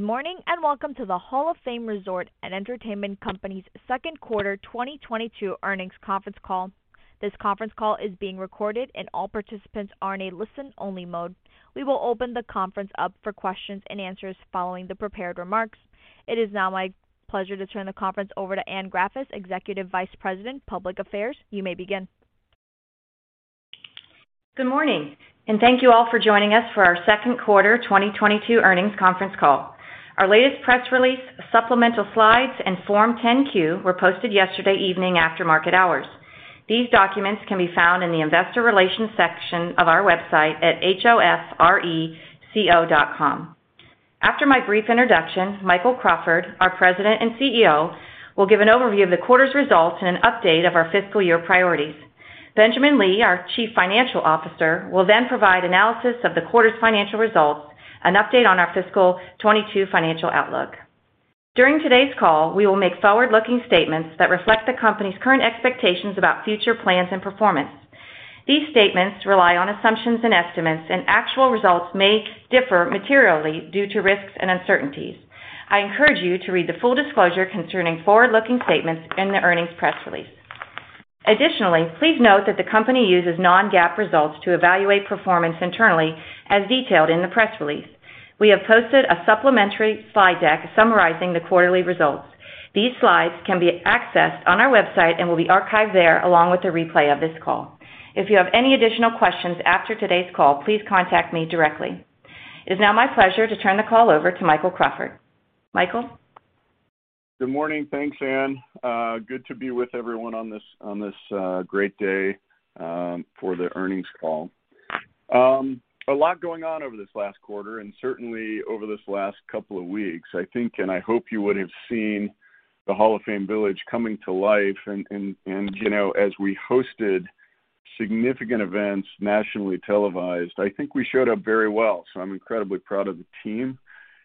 Good morning, and welcome to the Hall of Fame Resort & Entertainment Company's second quarter 2022 earnings conference call. This conference call is being recorded, and all participants are in a listen-only mode. We will open the conference up for questions and answers following the prepared remarks. It is now my pleasure to turn the conference over to Anne Graffice, Executive Vice President, Public Affairs. You may begin. Good morning and thank you all for joining us for our second quarter 2022 earnings conference call. Our latest press release, supplemental slides, and Form 10-Q were posted yesterday evening after market hours. These documents can be found in the Investor Relations section of our website at hofreco.com. After my brief introduction, Michael Crawford, our President and CEO, will give an overview of the quarter's results and an update of our fiscal year priorities. Benjamin Lee, our Chief Financial Officer, will then provide analysis of the quarter's financial results, an update on our fiscal 2022 financial outlook. During today's call, we will make forward-looking statements that reflect the company's current expectations about future plans and performance. These statements rely on assumptions and estimates, and actual results may differ materially due to risks and uncertainties. I encourage you to read the full disclosure concerning forward-looking statements in the earnings press release. Additionally, please note that the company uses non-GAAP results to evaluate performance internally, as detailed in the press release. We have posted a supplementary slide deck summarizing the quarterly results. These slides can be accessed on our website and will be archived there along with the replay of this call. If you have any additional questions after today's call, please contact me directly. It is now my pleasure to turn the call over to Michael Crawford. Michael? Good morning. Thanks, Anne. Good to be with everyone on this great day for the earnings call. A lot going on over this last quarter and certainly over this last couple of weeks. I think, and I hope you would have seen the Hall of Fame Village coming to life and you know, as we hosted significant events nationally televised, I think we showed up very well. I'm incredibly proud of the team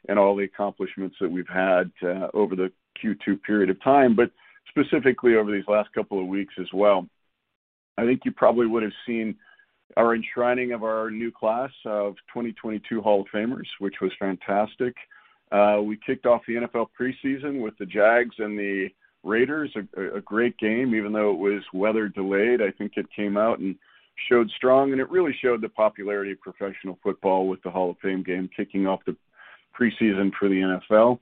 and all the accomplishments that we've had over the Q2 period of time, but specifically over these last couple of weeks as well. I think you probably would have seen our enshrining of our new class of 2022 Hall of Famers, which was fantastic. We kicked off the NFL preseason with the Jags and the Raiders. A great game, even though it was weather delayed. I think it came out and showed strong, and it really showed the popularity of professional football with the Hall of Fame game kicking off the preseason for the NFL.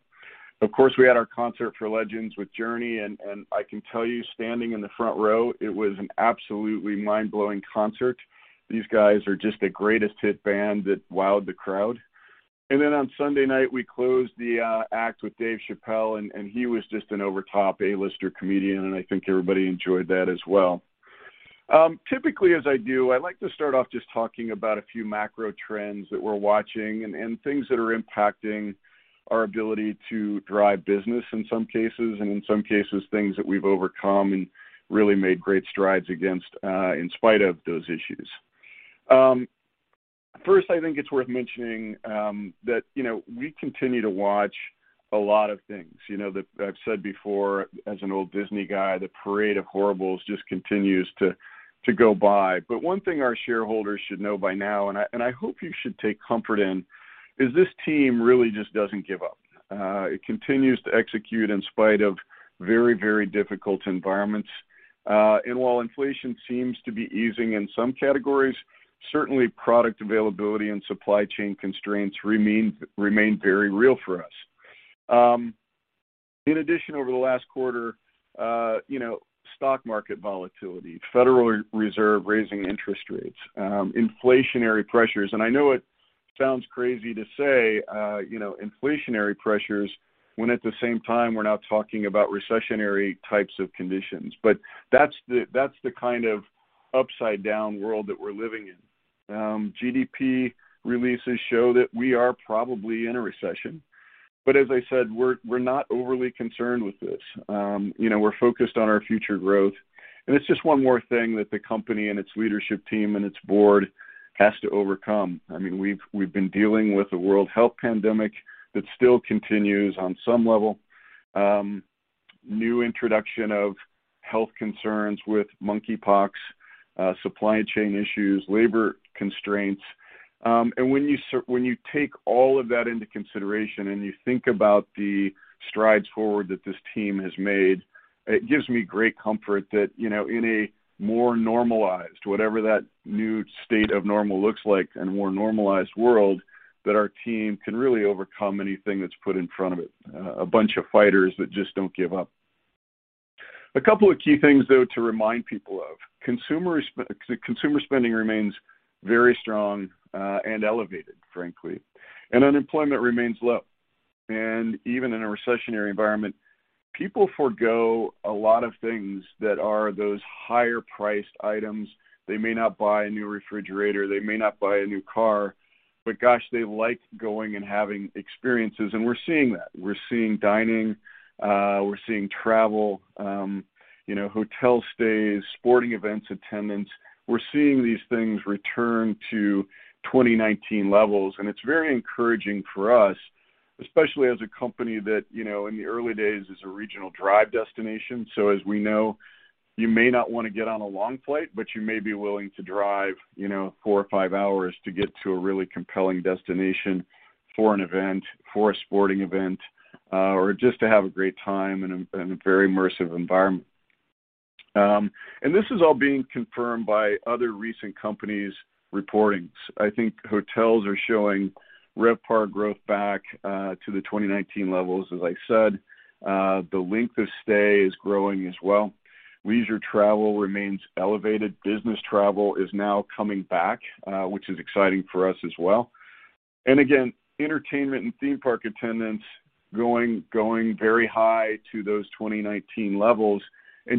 Of course, we had our Concert for Legends with Journey, and I can tell you standing in the front row, it was an absolutely mind-blowing concert. These guys are just the greatest hit band that wowed the crowd. Then on Sunday night, we closed the act with Dave Chappelle, and he was just an over-the-top A-lister comedian, and I think everybody enjoyed that as well. Typically, as I do, I like to start off just talking about a few macro trends that we're watching and things that are impacting our ability to drive business in some cases and in some cases, things that we've overcome and really made great strides against, in spite of those issues. First, I think it's worth mentioning, that, you know, we continue to watch a lot of things. You know, that I've said before, as an old Disney guy, the Parade of Horribles just continues to go by. One thing our shareholders should know by now, and I hope you should take comfort in, is this team really just doesn't give up. It continues to execute in spite of very, very difficult environments. While inflation seems to be easing in some categories, certainly product availability and supply chain constraints remain very real for us. In addition, over the last quarter, you know, stock market volatility, federal reserve raising interest rates, inflationary pressures. I know it sounds crazy to say, you know, inflationary pressures when at the same time we're now talking about recessionary types of conditions. That's the kind of upside-down world that we're living in. GDP releases show that we are probably in a recession. As I said, we're not overly concerned with this. You know, we're focused on our future growth. It's just one more thing that the company and its leadership team and its board has to overcome. I mean, we've been dealing with a world health pandemic that still continues on some level, new introduction of health concerns with monkeypox, supply chain issues, labor constraints. When you take all of that into consideration and you think about the strides forward that this team has made, it gives me great comfort that, you know, in a more normalized, whatever that new state of normal looks like and more normalized world, that our team can really overcome anything that's put in front of it. A bunch of fighters that just don't give up. A couple of key things, though, to remind people of. Consumer spending remains very strong, and elevated, frankly, and unemployment remains low. Even in a recessionary environment, people forego a lot of things that are those higher-priced items. They may not buy a new refrigerator. They may not buy a new car. Gosh, they like going and having experiences, and we're seeing that. We're seeing dining. We're seeing travel, you know, hotel stays, sporting events attendance. We're seeing these things return to 2019 levels, and it's very encouraging for us, especially as a company that, you know, in the early days is a regional drive destination. As we know, you may not want to get on a long flight, but you may be willing to drive, you know, four or five hours to get to a really compelling destination for an event, for a sporting event, or just to have a great time in a very immersive environment. This is all being confirmed by other recent companies' reportings. I think hotels are showing RevPAR growth back to the 2019 levels, as I said. The length of stay is growing as well. Leisure travel remains elevated. Business travel is now coming back, which is exciting for us as well. Again, entertainment and theme park attendance going very high to those 2019 levels.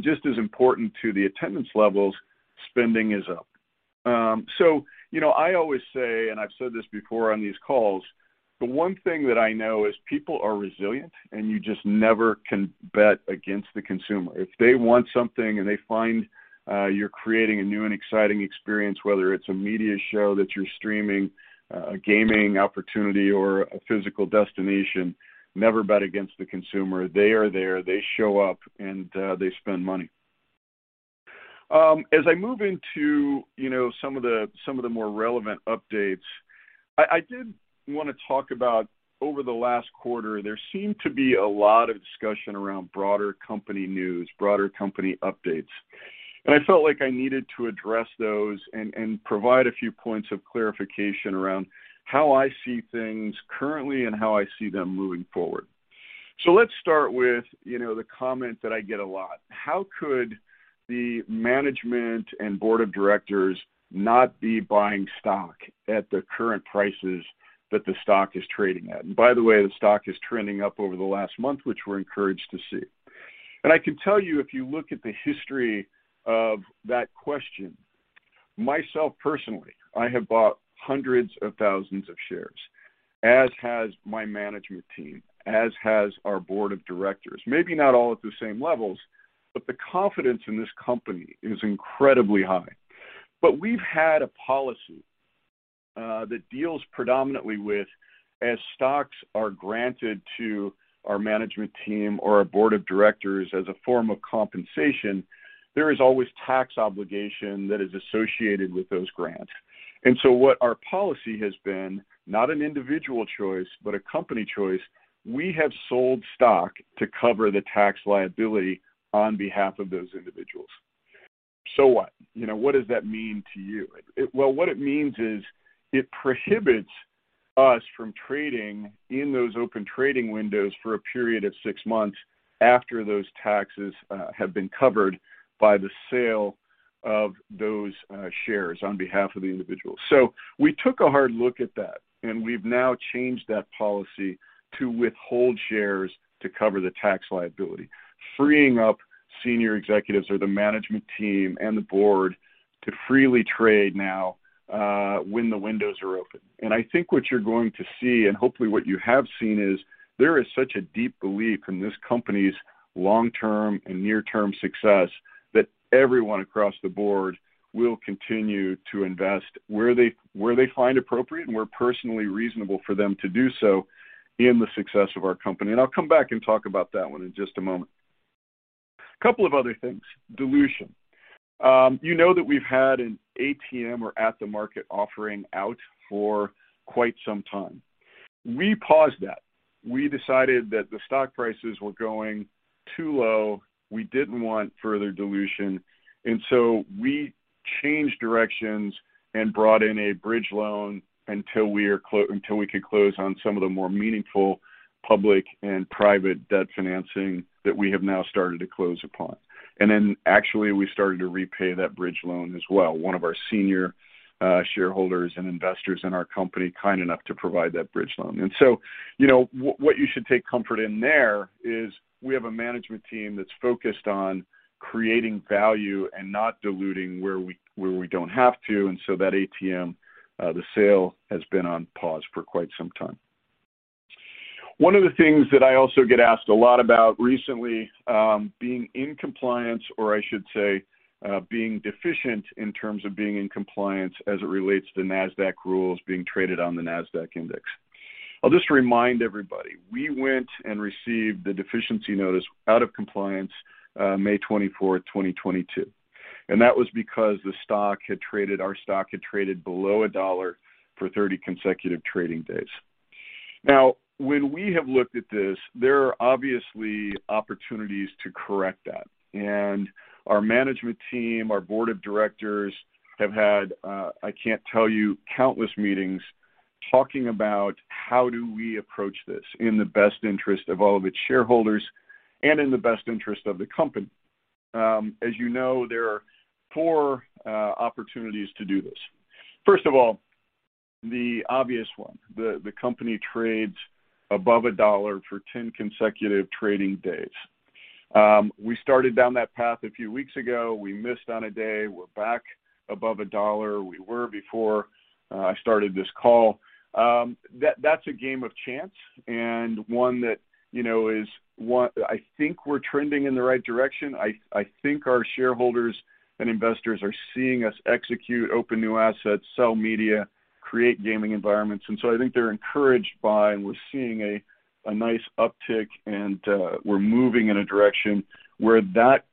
Just as important to the attendance levels, spending is up. So, you know, I always say, and I've said this before on these calls, the one thing that I know is people are resilient, and you just never can bet against the consumer. If they want something and they find you're creating a new and exciting experience, whether it's a media show that you're streaming, a gaming opportunity, or a physical destination, never bet against the consumer. They are there, they show up, and they spend money. As I move into, you know, some of the more relevant updates, I did want to talk about over the last quarter, there seemed to be a lot of discussion around broader company news, broader company updates. I felt like I needed to address those and provide a few points of clarification around how I see things currently and how I see them moving forward. Let's start with, you know, the comment that I get a lot. How could the management and board of directors not be buying stock at the current prices that the stock is trading at? By the way, the stock is trending up over the last month, which we're encouraged to see. I can tell you, if you look at the history of that question, myself personally, I have bought hundreds of thousands of shares, as has my management team, as has our Board of Directors. Maybe not all at the same levels, but the confidence in this company is incredibly high. We've had a policy that deals predominantly with as stocks are granted to our management team or our board of directors as a form of compensation, there is always tax obligation that is associated with those grants. What our policy has been, not an individual choice, but a company choice, we have sold stock to cover the tax liability on behalf of those individuals. What? You know, what does that mean to you? Well, what it means is it prohibits us from trading in those open trading windows for a period of six months after those taxes have been covered by the sale of those shares on behalf of the individual. We took a hard look at that, and we've now changed that policy to withhold shares to cover the tax liability, freeing up senior executives or the management team and the board to freely trade now when the windows are open. I think what you're going to see, and hopefully what you have seen, is there is such a deep belief in this company's long-term and near-term success that everyone across the board will continue to invest where they find appropriate and where personally reasonable for them to do so in the success of our company. I'll come back and talk about that one in just a moment. Couple of other things: Dilution. You know that we've had an ATM or at-the-market offering out for quite some time. We paused that. We decided that the stock prices were going too low. We didn't want further dilution. We changed directions and brought in a bridge loan until we could close on some of the more meaningful public and private debt financing that we have now started to close upon. Actually, we started to repay that bridge loan as well. One of our senior shareholders and investors in our company kind enough to provide that bridge loan. You know, what you should take comfort in there is we have a management team that's focused on creating value and not diluting where we don't have to, and so that ATM, the sale has been on pause for quite some time. One of the things that I also get asked a lot about recently, being in compliance, or I should say, being deficient in terms of being in compliance as it relates to Nasdaq rules being traded on the Nasdaq index. I'll just remind everybody, we went and received the deficiency notice out of compliance, May 24, 2022. That was because our stock had traded below $1 for 30 consecutive trading days. Now, when we have looked at this, there are obviously opportunities to correct that. Our management team, our Board of Directors have had I can't tell you countless meetings talking about how do we approach this in the best interest of all of its shareholders and in the best interest of the company. As you know, there are four opportunities to do this. First of all, the obvious one, the company trades above $1 for 10 consecutive trading days. We started down that path a few weeks ago. We missed on a day. We're back above $1. We were before I started this call. That's a game of chance and one that, you know, is one I think we're trending in the right direction. I think our shareholders and investors are seeing us execute open new assets, sell media, create gaming environments. I think they're encouraged by, and we're seeing a nice uptick, and we're moving in a direction where that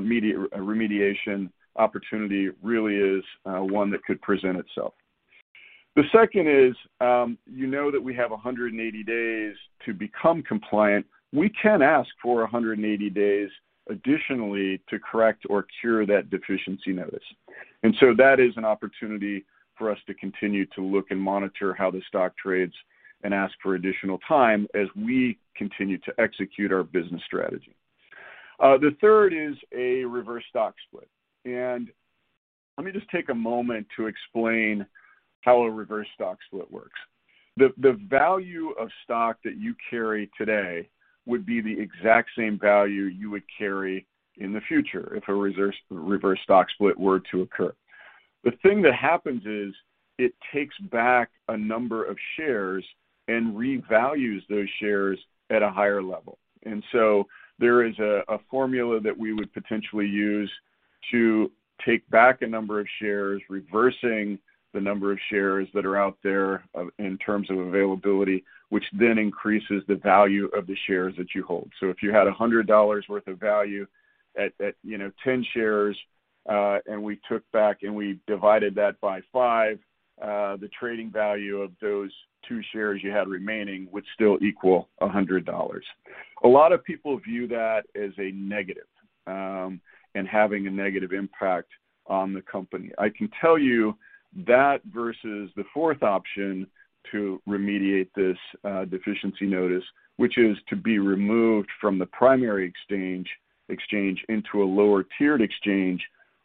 media remediation opportunity really is one that could present itself. The second is that we have 180 days to become compliant. We can ask for 180 days additionally to correct or cure that deficiency notice. That is an opportunity for us to continue to look and monitor how the stock trades and ask for additional time as we continue to execute our business strategy. The third is a reverse stock split. Let me just take a moment to explain how a reverse stock split works. The value of stock that you carry today would be the exact same value you would carry in the future if a reverse stock split were to occur. The thing that happens is it takes back a number of shares and revalues those shares at a higher level. There is a formula that we would potentially use to take back a number of shares, reversing the number of shares that are out there in terms of availability, which then increases the value of the shares that you hold. If you had $100 worth of value at, you know, 10 shares, and we took back, and we divided that by five, the trading value of those two shares you had remaining would still equal $100. A lot of people view that as a negative, and having a negative impact on the company. I can tell you that versus the fourth option to remediate this, deficiency notice, which is to be removed from the primary exchange into a lower tiered exchange,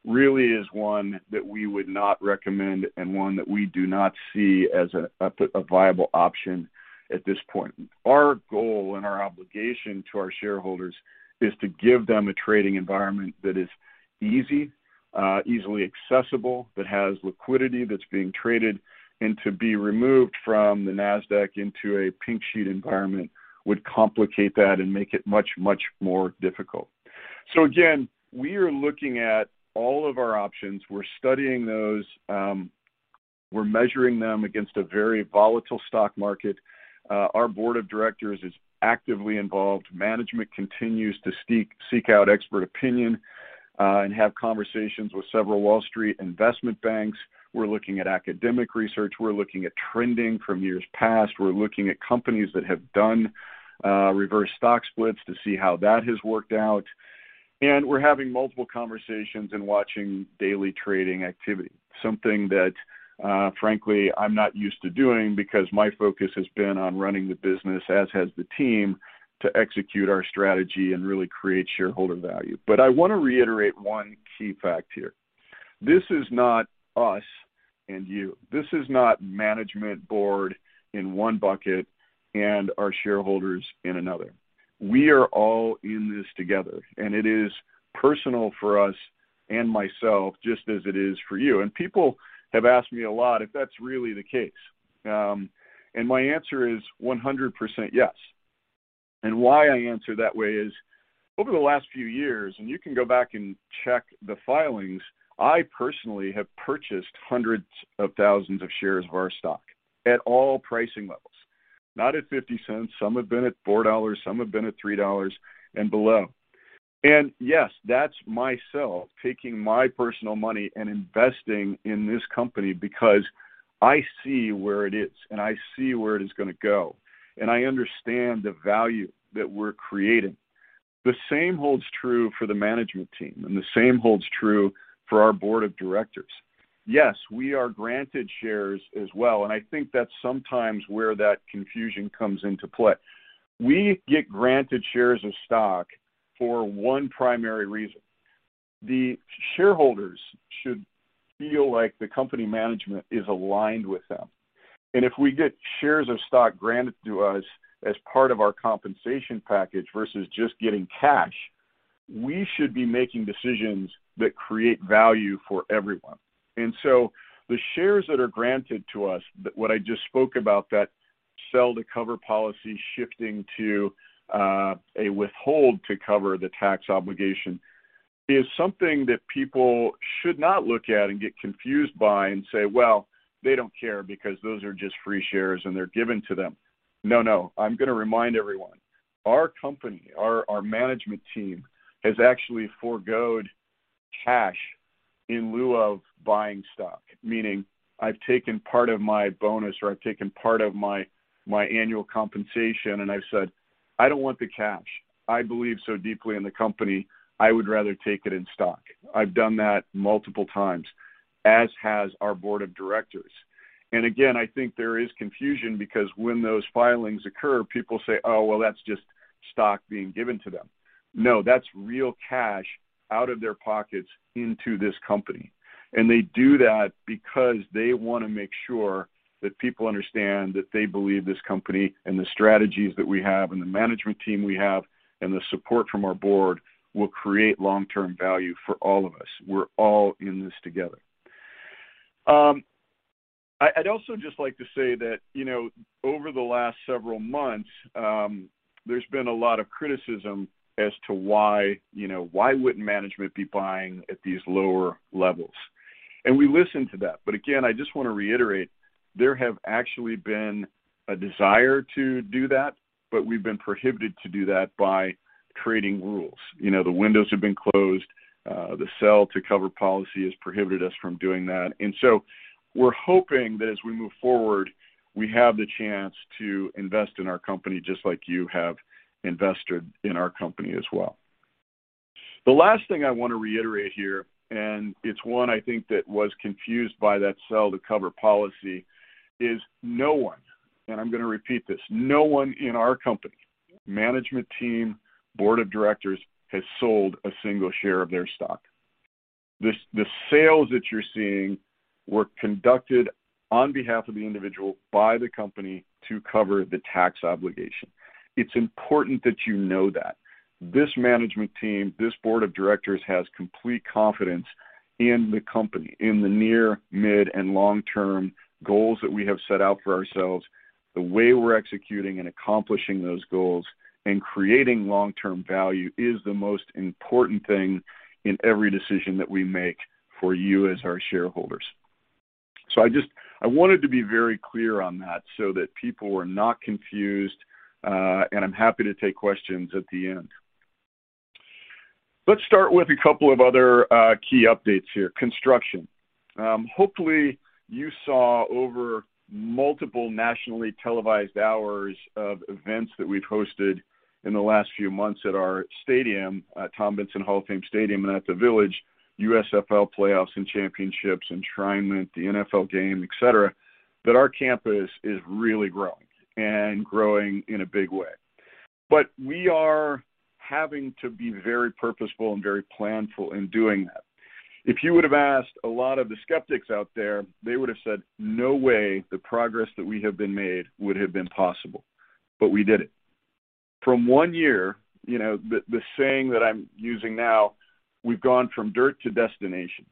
really is one that we would not recommend and one that we do not see as a viable option at this point. Our goal and our obligation to our shareholders is to give them a trading environment that is easy, easily accessible, that has liquidity that's being traded, and to be removed from the Nasdaq into a pink sheet environment would complicate that and make it much, much more difficult. Again, we are looking at all of our options. We're studying those. We're measuring them against a very volatile stock market. Our Board of Directors is actively involved. Management continues to seek out expert opinion and have conversations with several Wall Street investment banks. We're looking at academic research. We're looking at trends from years past. We're looking at companies that have done reverse stock splits to see how that has worked out. We're having multiple conversations and watching daily trading activity. Something that, frankly, I'm not used to doing because my focus has been on running the business, as has the team, to execute our strategy and really create shareholder value. I want to reiterate one key fact here. This is not us and you. This is not management and board in one bucket and our shareholders in another. We are all in this together, and it is personal for us and myself, just as it is for you. People have asked me a lot if that's really the case. My answer is 100% yes. Why I answer that way is over the last few years, and you can go back and check the filings, I personally have purchased hundreds of thousands of shares of our stock at all pricing levels. Not at $0.50. Some have been at $4, some have been at $3 and below. Yes, that's myself taking my personal money and investing in this company because I see where it is, and I see where it is going to go, and I understand the value that we're creating. The same holds true for the management team, and the same holds true for our board of directors. Yes, we are granted shares as well, and I think that's sometimes where that confusion comes into play. We get granted shares of stock for one primary reason. The shareholders should feel like the company management is aligned with them. If we get shares of stock granted to us as part of our compensation package versus just getting cash, we should be making decisions that create value for everyone. The shares that are granted to us, what I just spoke about, that sell-to-cover policy shifting to a withhold to cover the tax obligation, is something that people should not look at and get confused by and say, well, they don't care because those are just free shares, and they're given to them. No, no. I'm going to remind everyone, our company, our management team has actually for-goed cash in lieu of buying stock. Meaning I've taken part of my bonus, or I've taken part of my annual compensation, and I've said, I don't want the cash. I believe so deeply in the company, I would rather take it in stock. I've done that multiple times, as has our board of directors. Again, I think there is confusion because when those filings occur, people say, oh, well, that's just stock being given to them. No, that's real cash out of their pockets into this company. They do that because they want to make sure that people understand that they believe this company and the strategies that we have and the management team we have and the support from our board will create long-term value for all of us. We're all in this together. I'd also just like to say that, you know, over the last several months, there's been a lot of criticism as to why, you know, why wouldn't management be buying at these lower levels? We listen to that. Again, I just want to reiterate, there have actually been a desire to do that, but we've been prohibited to do that by trading rules. You know, the windows have been closed, the sell-to-cover policy has prohibited us from doing that. We're hoping that as we move forward, we have the chance to invest in our company just like you have invested in our company as well. The last thing I want to reiterate here, and it's one I think that was confused by that sell-to-cover policy, is no one, and I'm going to repeat this, no one in our company, management team, board of directors, has sold a single share of their stock. The sales that you're seeing were conducted on behalf of the individual by the company to cover the tax obligation. It's important that you know that. This management team, this Board of Directors has complete confidence in the company, in the near, mid, and long-term goals that we have set out for ourselves. The way we're executing and accomplishing those goals and creating long-term value is the most important thing in every decision that we make for you as our shareholders. I wanted to be very clear on that so that people were not confused, and I'm happy to take questions at the end. Let's start with a couple of other key updates here. Construction. Hopefully you saw over multiple nationally televised hours of events that we've hosted in the last few months at our stadium, at Tom Benson Hall of Fame Stadium, and at the village, USFL Playoffs and Championships, Enshrinement, the NFL game, et cetera, that our campus is really growing and growing in a big way. We are having to be very purposeful and very planful in doing that. If you would have asked a lot of the skeptics out there, they would have said, no way the progress that we have been made would have been possible. We did it. From one year, you know, the saying that I'm using now, we've gone from dirt to destination.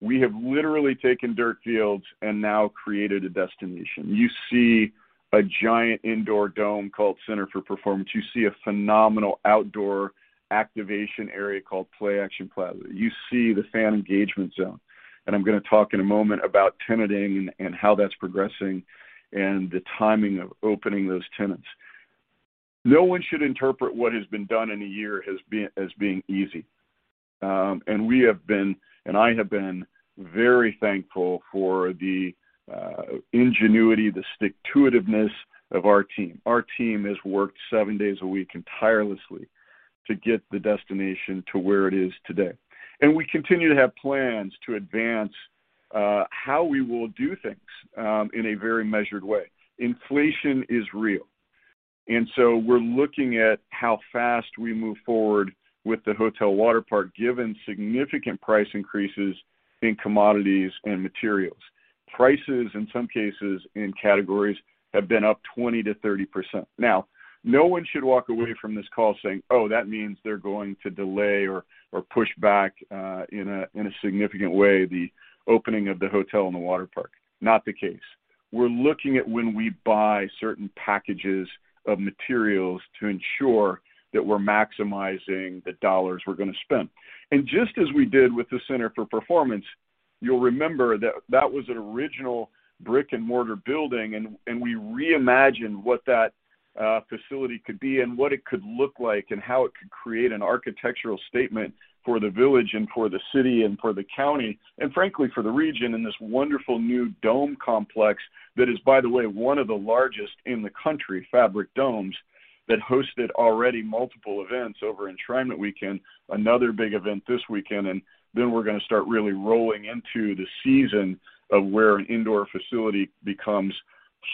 We have literally taken dirt fields and now created a destination. You see a giant indoor dome called Center for Performance. You see a phenomenal outdoor activation area called Play-Action Plaza. You see the fan engagement zone, and I'm going to talk in a moment about tenanting and how that's progressing and the timing of opening those tenants. No one should interpret what has been done in a year as being easy. I have been very thankful for the ingenuity, the stick-to-it-iveness of our team. Our team has worked seven days a week and tirelessly to get the destination to where it is today. We continue to have plans to advance how we will do things in a very measured way. Inflation is real, and so we're looking at how fast we move forward with the hotel water park, given significant price increases in commodities and materials. Prices in some cases and categories have been up 20%-30%. Now, no one should walk away from this call saying, oh, that means they're going to delay or push back in a significant way the opening of the hotel and the water park. Not the case. We're looking at when we buy certain packages of materials to ensure that we're maximizing the dollars we're going to spend. Just as we did with the Center for Performance, you'll remember that was an original brick-and-mortar building and we reimagined what that facility could be and what it could look like and how it could create an architectural statement for the village and for the city and for the county, and frankly, for the region, and this wonderful new dome complex that is, by the way, one of the largest in the country, fabric domes, that hosted already multiple events over Enshrinement Weekend, another big event this weekend, and then we're going to start really rolling into the season of where an indoor facility becomes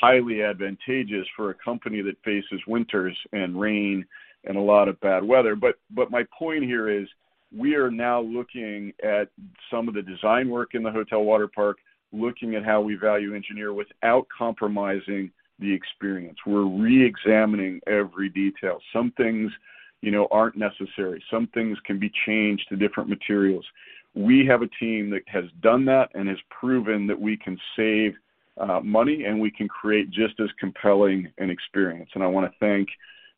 highly advantageous for a company that faces winters and rain and a lot of bad weather. My point here is we are now looking at some of the design work in the hotel water park, looking at how we value engineer without compromising the experience. We're reexamining every detail. Some things, you know, aren't necessary. Some things can be changed to different materials. We have a team that has done that and has proven that we can save money, and we can create just as compelling an experience. I want to thank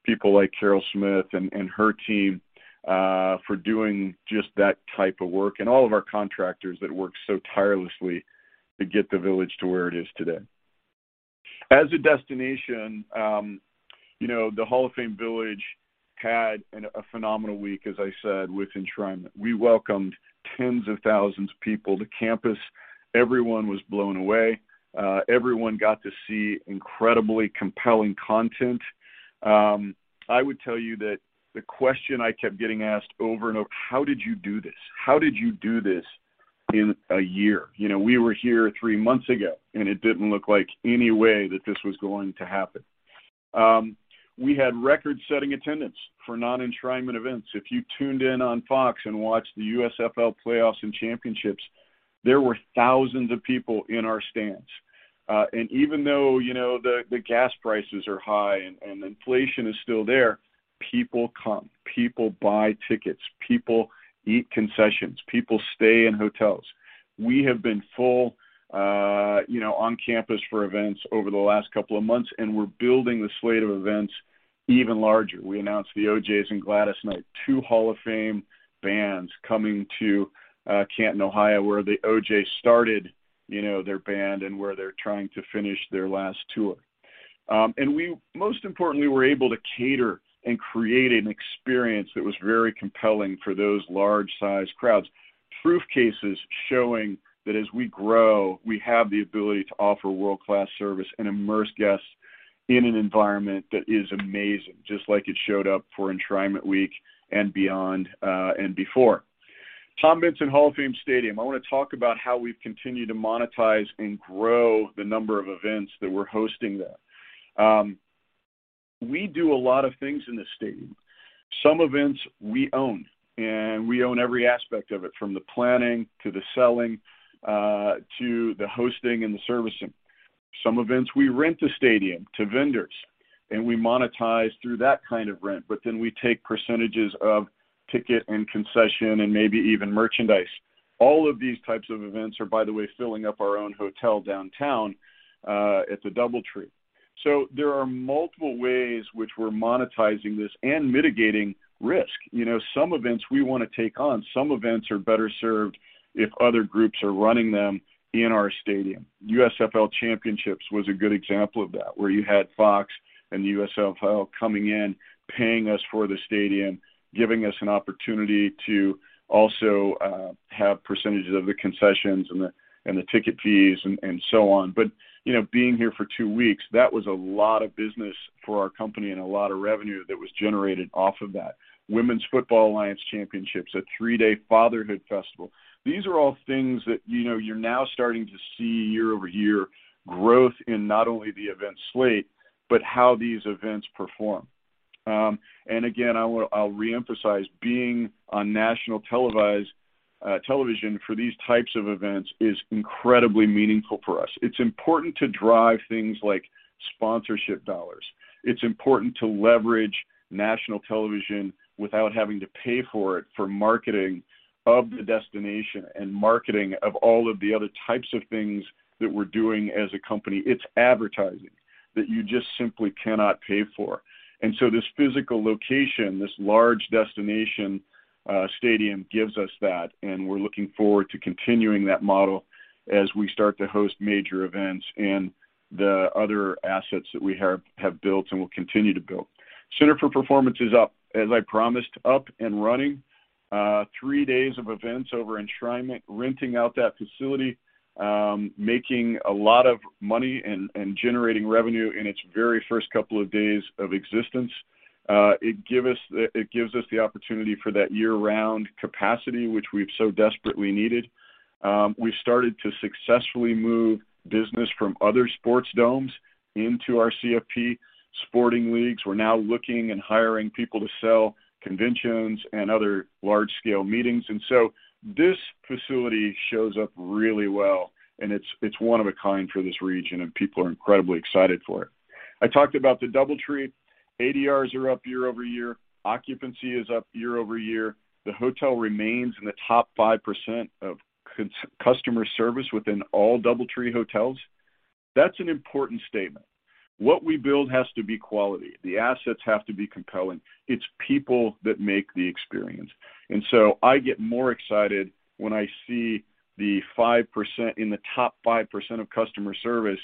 people like Carol Smith and her team for doing just that type of work and all of our contractors that work so tirelessly to get the village to where it is today. As a destination, you know, the Hall of Fame Village had a phenomenal week, as I said, with Enshrinement. We welcomed tens of thousands of people to campus. Everyone was blown away. Everyone got to see incredibly compelling content. I would tell you that the question I kept getting asked over and over, how did you do this? How did you do this in a year? You know, we were here three months ago, and it didn't look like any way that this was going to happen. We had record-setting attendance for non-Enshrinement events. If you tuned in on Fox and watched the USFL Playoffs and Championships, there were thousands of people in our stands. Even though, you know, the gas prices are high and inflation is still there, people come. People buy tickets. People eat concessions. People stay in hotels. We have been full, you know, on campus for events over the last couple of months, and we're building the slate of events even larger. We announced The O'Jays and Gladys Knight, two Hall of Fame bands coming to Canton, Ohio, where The O'Jays started, you know, their band and where they're trying to finish their last tour. We most importantly were able to cater and create an experience that was very compelling for those large size crowds. Proof cases showing that as we grow, we have the ability to offer world-class service and immerse guests in an environment that is amazing, just like it showed up for Enshrinement Week and beyond, and before. Tom Benson Hall of Fame Stadium, I want to talk about how we've continued to monetize and grow the number of events that we're hosting there. We do a lot of things in the stadium. Some events we own, and we own every aspect of it, from the planning to the selling, to the hosting and the servicing. Some events we rent the stadium to vendors, and we monetize through that kind of rent, but then we take percentages of ticket and concession and maybe even merchandise. All of these types of events are, by the way, filling up our own hotel downtown, at the DoubleTree. There are multiple ways which we're monetizing this and mitigating risk. You know, some events we want to take on, some events are better served if other groups are running them in our stadium. USFL Championships was a good example of that, where you had Fox and the USFL coming in, paying us for the stadium, giving us an opportunity to also have percentages of the concessions and the ticket fees and so on. You know, being here for two weeks, that was a lot of business for our company and a lot of revenue that was generated off of that. Women's Football Alliance Championships, a three-day Fatherhood Festival. These are all things that, you know, you're now starting to see year-over-year growth in not only the event slate, but how these events perform. Again, I'll reemphasize being on national television for these types of events is incredibly meaningful for us. It's important to drive things like sponsorship dollars. It's important to leverage national television without having to pay for it for marketing of the destination and marketing of all of the other types of things that we're doing as a company. It's advertising that you just simply cannot pay for. This physical location, this large destination, stadium gives us that, and we're looking forward to continuing that model as we start to host major events and the other assets that we have built and will continue to build. Center for Performance is up, as I promised, up and running, three days of events over Enshrinement, renting out that facility, making a lot of money and generating revenue in its very first couple of days of existence. It gives us the opportunity for that year-round capacity, which we've so desperately needed. We started to successfully move business from other sports domes into our CFP sporting leagues. We're now looking and hiring people to sell conventions and other large-scale meetings. This facility shows up really well, and it's one of a kind for this region, and people are incredibly excited for it. I talked about the DoubleTree. ADRs are up year-over-year. Occupancy is up year-over-year. The hotel remains in the top 5% of customer service within all DoubleTree hotels. That's an important statement. What we build has to be quality. The assets have to be compelling. It's people that make the experience. I get more excited when I see the 5% in the top 5% of customer service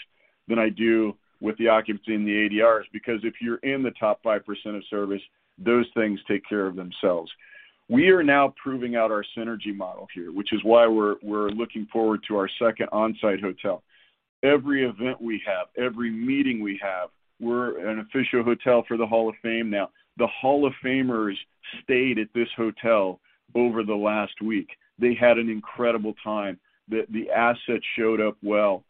than I do with the occupancy and the ADRs, because if you're in the top 5% of service, those things take care of themselves. We are now proving out our synergy model here, which is why we're looking forward to our second on-site hotel. Every event we have, every meeting we have, we're an official hotel for the Hall of Fame now. The Hall of Famers stayed at this hotel over the last week. They had an incredible time. The assets showed up well.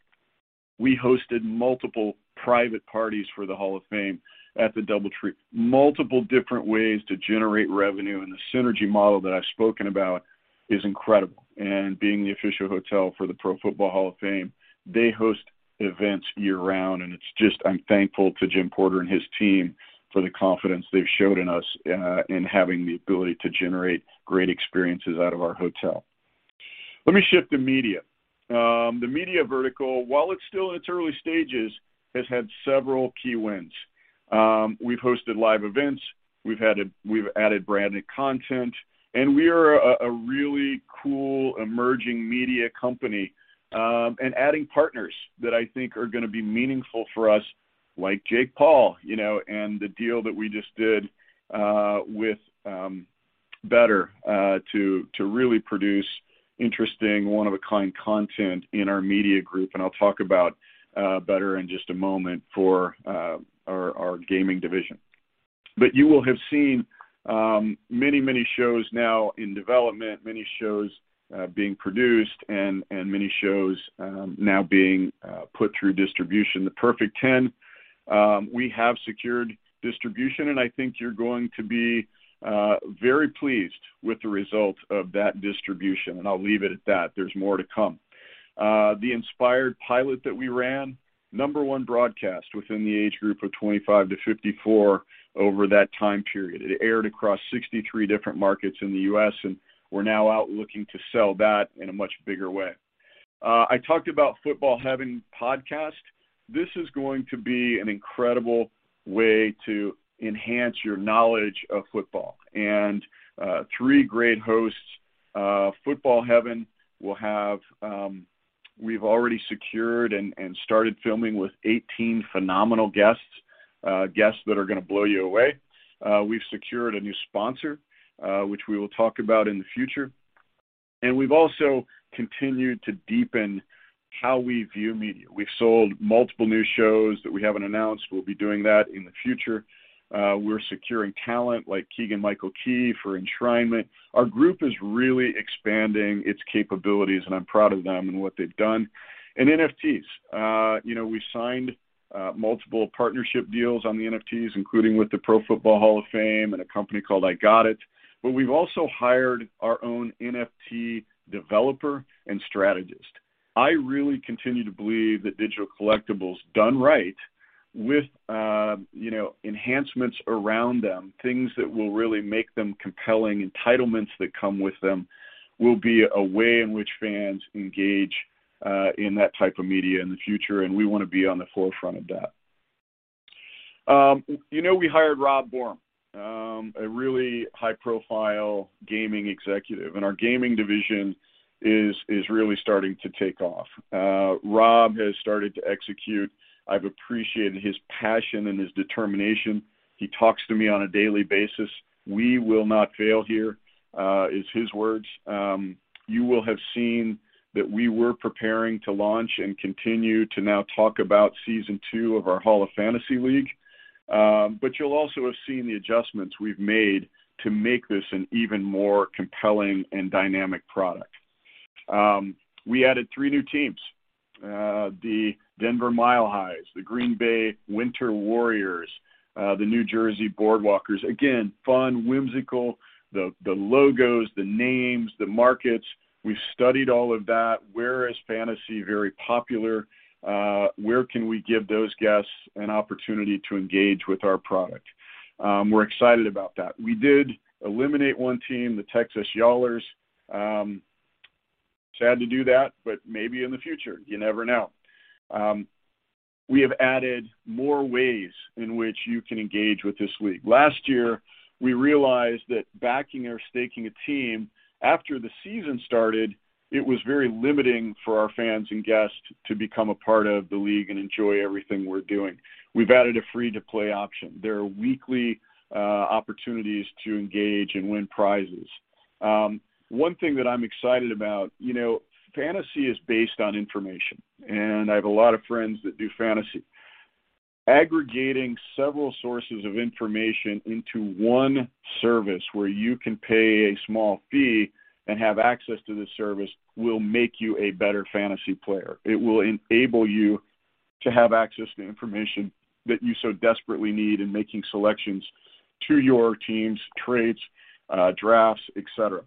We hosted multiple private parties for the Hall of Fame at the DoubleTree. Multiple different ways to generate revenue, and the synergy model that I've spoken about is incredible. Being the official hotel for the Pro Football Hall of Fame, they host events year-round, and it's just I'm thankful to Jim Porter and his team for the confidence they've showed in us in having the ability to generate great experiences out of our hotel. Let me shift to media. The media vertical while it's still in its early stages has had several key wins. We've hosted live events, we've added branded content, and we are a really cool emerging media company and adding partners that I think are going to be meaningful for us, like Jake Paul, you know, and the deal that we just did with Betr to really produce interesting one-of-a-kind content in our media group. I'll talk about Betr in just a moment for our gaming division. You will have seen many shows now in development, many shows being produced, and many shows now being put through distribution. The Perfect 10, we have secured distribution, and I think you're going to be very pleased with the results of that distribution, and I'll leave it at that. There's more to come. The Inspired pilot that we ran, number one broadcast within the age group of 25 to 54 over that time period. It aired across 63 different markets in the U.S., and we're now out looking to sell that in a much bigger way. I talked about Football Heaven podcast. This is going to be an incredible way to enhance your knowledge of football. Three great hosts, Football Heaven will have. We've already secured and started filming with 18 phenomenal guests that are going to blow you away. We've secured a new sponsor, which we will talk about in the future. We've also continued to deepen how we view media. We've sold multiple new shows that we haven't announced. We'll be doing that in the future. We're securing talent like Keegan-Michael Key for Enshrinement. Our group is really expanding its capabilities, and I'm proud of them and what they've done. NFTs. You know, we signed multiple partnership deals on the NFTs, including with the Pro Football Hall of Fame and a company called I Got It. We've also hired our own NFT developer and strategist. I really continue to believe that digital collectibles done right with, you know, enhancements around them, things that will really make them compelling, entitlements that come with them, will be a way in which fans engage, in that type of media in the future, and we want to be on the forefront of that. You know, we hired Rob Bormann, a really high-profile gaming executive, and our Gaming division is really starting to take off. Rob has started to execute. I've appreciated his passion and his determination. He talks to me on a daily basis. We will not fail here, is his words. You will have seen that we were preparing to launch and continue to now talk about Season 2 of our Hall of Fantasy League. You'll also have seen the adjustments we've made to make this an even more compelling and dynamic product. We added three new teams, the Denver Mile Highs, the Green Bay Winter Warriors, the New Jersey Boardwalkers. Again, fun, whimsical, the logos, the names, the markets. We've studied all of that. Where is fantasy very popular? Where can we give those guests an opportunity to engage with our product? We're excited about that. We did eliminate one team, the Texas Y'allers. Sad to do that, but maybe in the future. You never know. We have added more ways in which you can engage with this league. Last year, we realized that backing or staking a team after the season started, it was very limiting for our fans and guests to become a part of the league and enjoy everything we're doing. We've added a free-to-play option. There are weekly opportunities to engage and win prizes. One thing that I'm excited about, you know, fantasy is based on information, and I have a lot of friends that do fantasy. Aggregating several sources of information into one service where you can pay a small fee and have access to the service will make you a better fantasy player. It will enable you to have access to information that you so desperately need in making selections to your teams, trades, drafts, et cetera.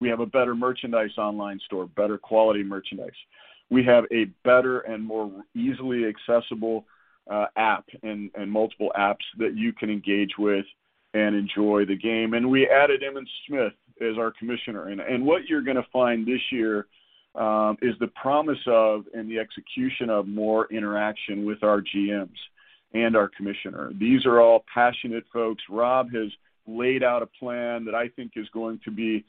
We have a better merchandise online store, better quality merchandise. We have a better and more easily accessible app and multiple apps that you can engage with and enjoy the game. We added Emmitt Smith as our commissioner. What you're going to find this year is the promise of and the execution of more interaction with our GMs and our commissioner. These are all passionate folks. Rob has laid out a plan that I think is going to be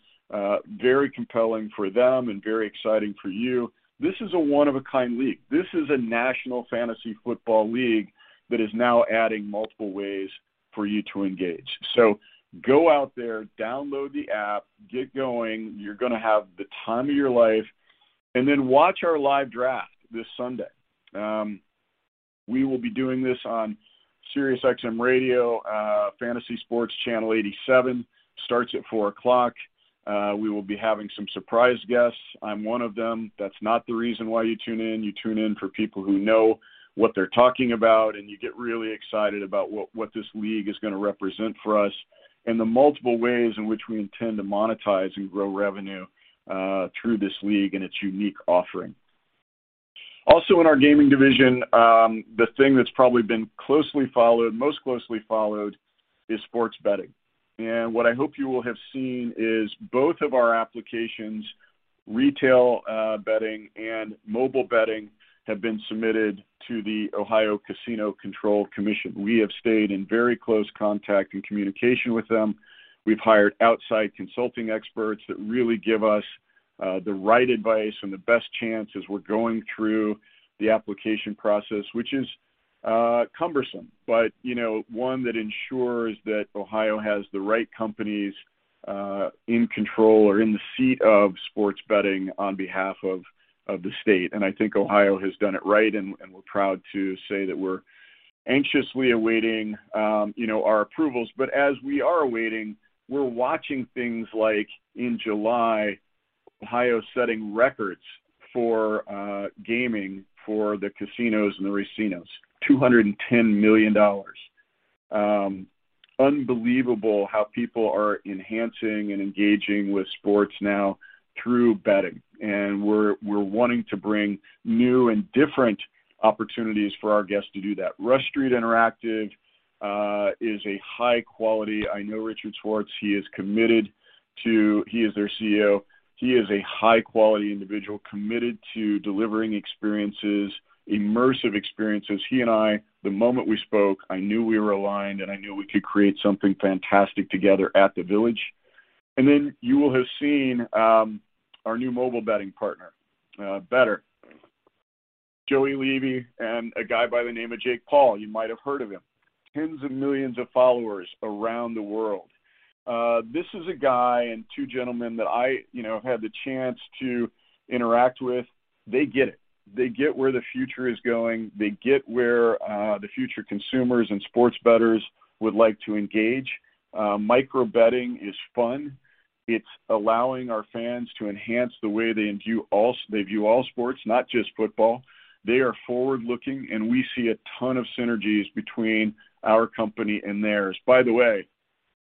very compelling for them and very exciting for you. This is a one-of-a-kind league. This is a National Fantasy Football League that is now adding multiple ways for you to engage. Go out there, download the app, get going. You're going to have the time of your life. Watch our live draft this Sunday. We will be doing this on SiriusXM Radio, Fantasy Sports Channel 87, starts at 4:00. We will be having some surprise guests. I'm one of them. That's not the reason why you tune in. You tune in for people who know what they're talking about, and you get really excited about what this league is going to represent for us and the multiple ways in which we intend to monetize and grow revenue through this league and its unique offering. Also in our Gaming division, the thing that's probably been closely followed, most closely followed is sports betting. What I hope you will have seen is both of our applications, retail betting and mobile betting, have been submitted to the Ohio Casino Control Commission. We have stayed in very close contact and communication with them. We've hired outside consulting experts that really give us the right advice and the best chance as we're going through the application process, which is cumbersome, but you know, one that ensures that Ohio has the right companies in control or in the seat of sports betting on behalf of the state. I think Ohio has done it right, and we're proud to say that we're anxiously awaiting, you know, our approvals. As we are awaiting, we're watching things like in July, Ohio setting records for gaming for the casinos and the racinos, $210 million. Unbelievable how people are enhancing and engaging with sports now through betting. We're wanting to bring new and different opportunities for our guests to do that. Rush Street Interactive is a high quality. I know Richard Schwartz. He is their CEO. He is a high-quality individual committed to delivering experiences, immersive experiences. He and I, the moment we spoke, I knew we were aligned, and I knew we could create something fantastic together at The Village. You will have seen our new mobile betting partner, Betr. Joey Levy and a guy by the name of Jake Paul. You might have heard of him. Tens of millions of followers around the world. This is a guy and two gentlemen that I, you know, had the chance to interact with. They get it. They get where the future is going. They get where the future consumers and sports bettors would like to engage. Micro betting is fun. It's allowing our fans to enhance the way they view all sports, not just football. They are forward-looking, and we see a ton of synergies between our company and theirs. By the way,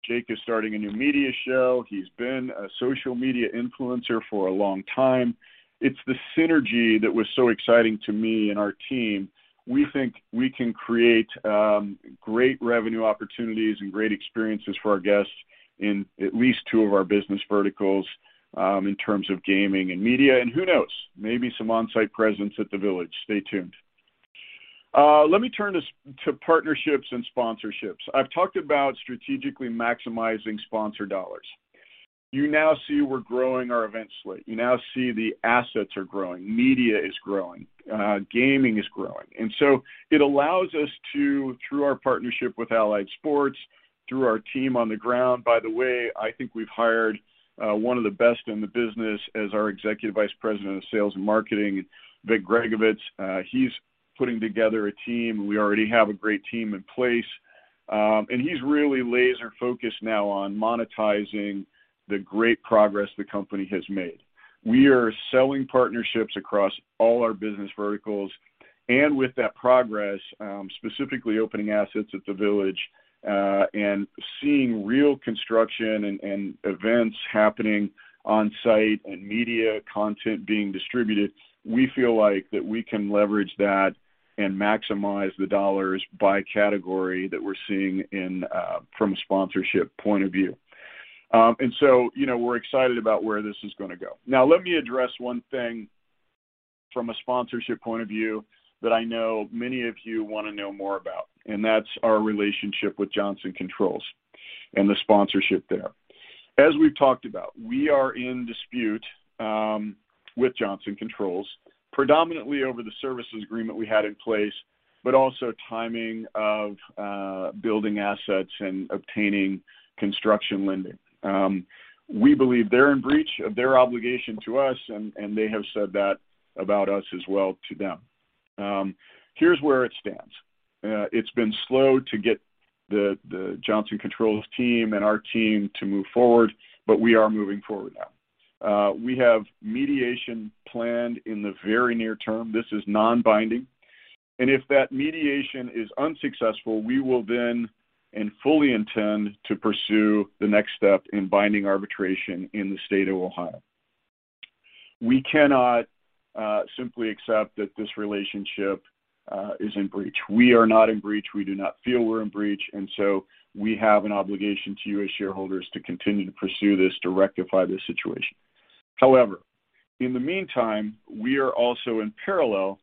Jake is starting a new media show. He's been a social media influencer for a long time. It's the synergy that was so exciting to me and our team. We think we can create great revenue opportunities and great experiences for our guests in at least two of our business verticals, in terms of gaming and media. Who knows? Maybe some on-site presence at The Village. Stay tuned. Let me turn to partnerships and sponsorships. I've talked about strategically maximizing sponsor dollars. You now see we're growing our event slate. You now see the assets are growing, media is growing, gaming is growing. It allows us to, through our partnership with Allied Sports, through our team on the ground. By the way, I think we've hired one of the best in the business as our Executive Vice President of Sales and Marketing, Vic Gregovits. He's putting together a team. We already have a great team in place, and he's really laser focused now on monetizing the great progress the company has made. We are selling partnerships across all our business verticals, and with that progress, specifically opening assets at The Village, and seeing real construction and events happening on-site and media content being distributed, we feel like that we can leverage that and maximize the dollars by category that we're seeing in, from a sponsorship point of view. You know, we're excited about where this is going to go. Now let me address one thing from a sponsorship point of view that I know many of you want to know more about, and that's our relationship with Johnson Controls and the sponsorship there. As we've talked about, we are in dispute with Johnson Controls, predominantly over the services agreement we had in place, but also timing of building assets and obtaining construction lending. We believe they're in breach of their obligation to us, and they have said that about us as well to them. Here's where it stands. It's been slow to get the Johnson Controls team and our team to move forward, but we are moving forward now. We have mediation planned in the very near term. This is non-binding, and if that mediation is unsuccessful, we will then and fully intend to pursue the next step in binding arbitration in the state of Ohio. We cannot simply accept that this relationship is in breach. We are not in breach. We do not feel we're in breach, and so we have an obligation to you as shareholders to continue to pursue this to rectify this situation. However, in the meantime, we are also in parallel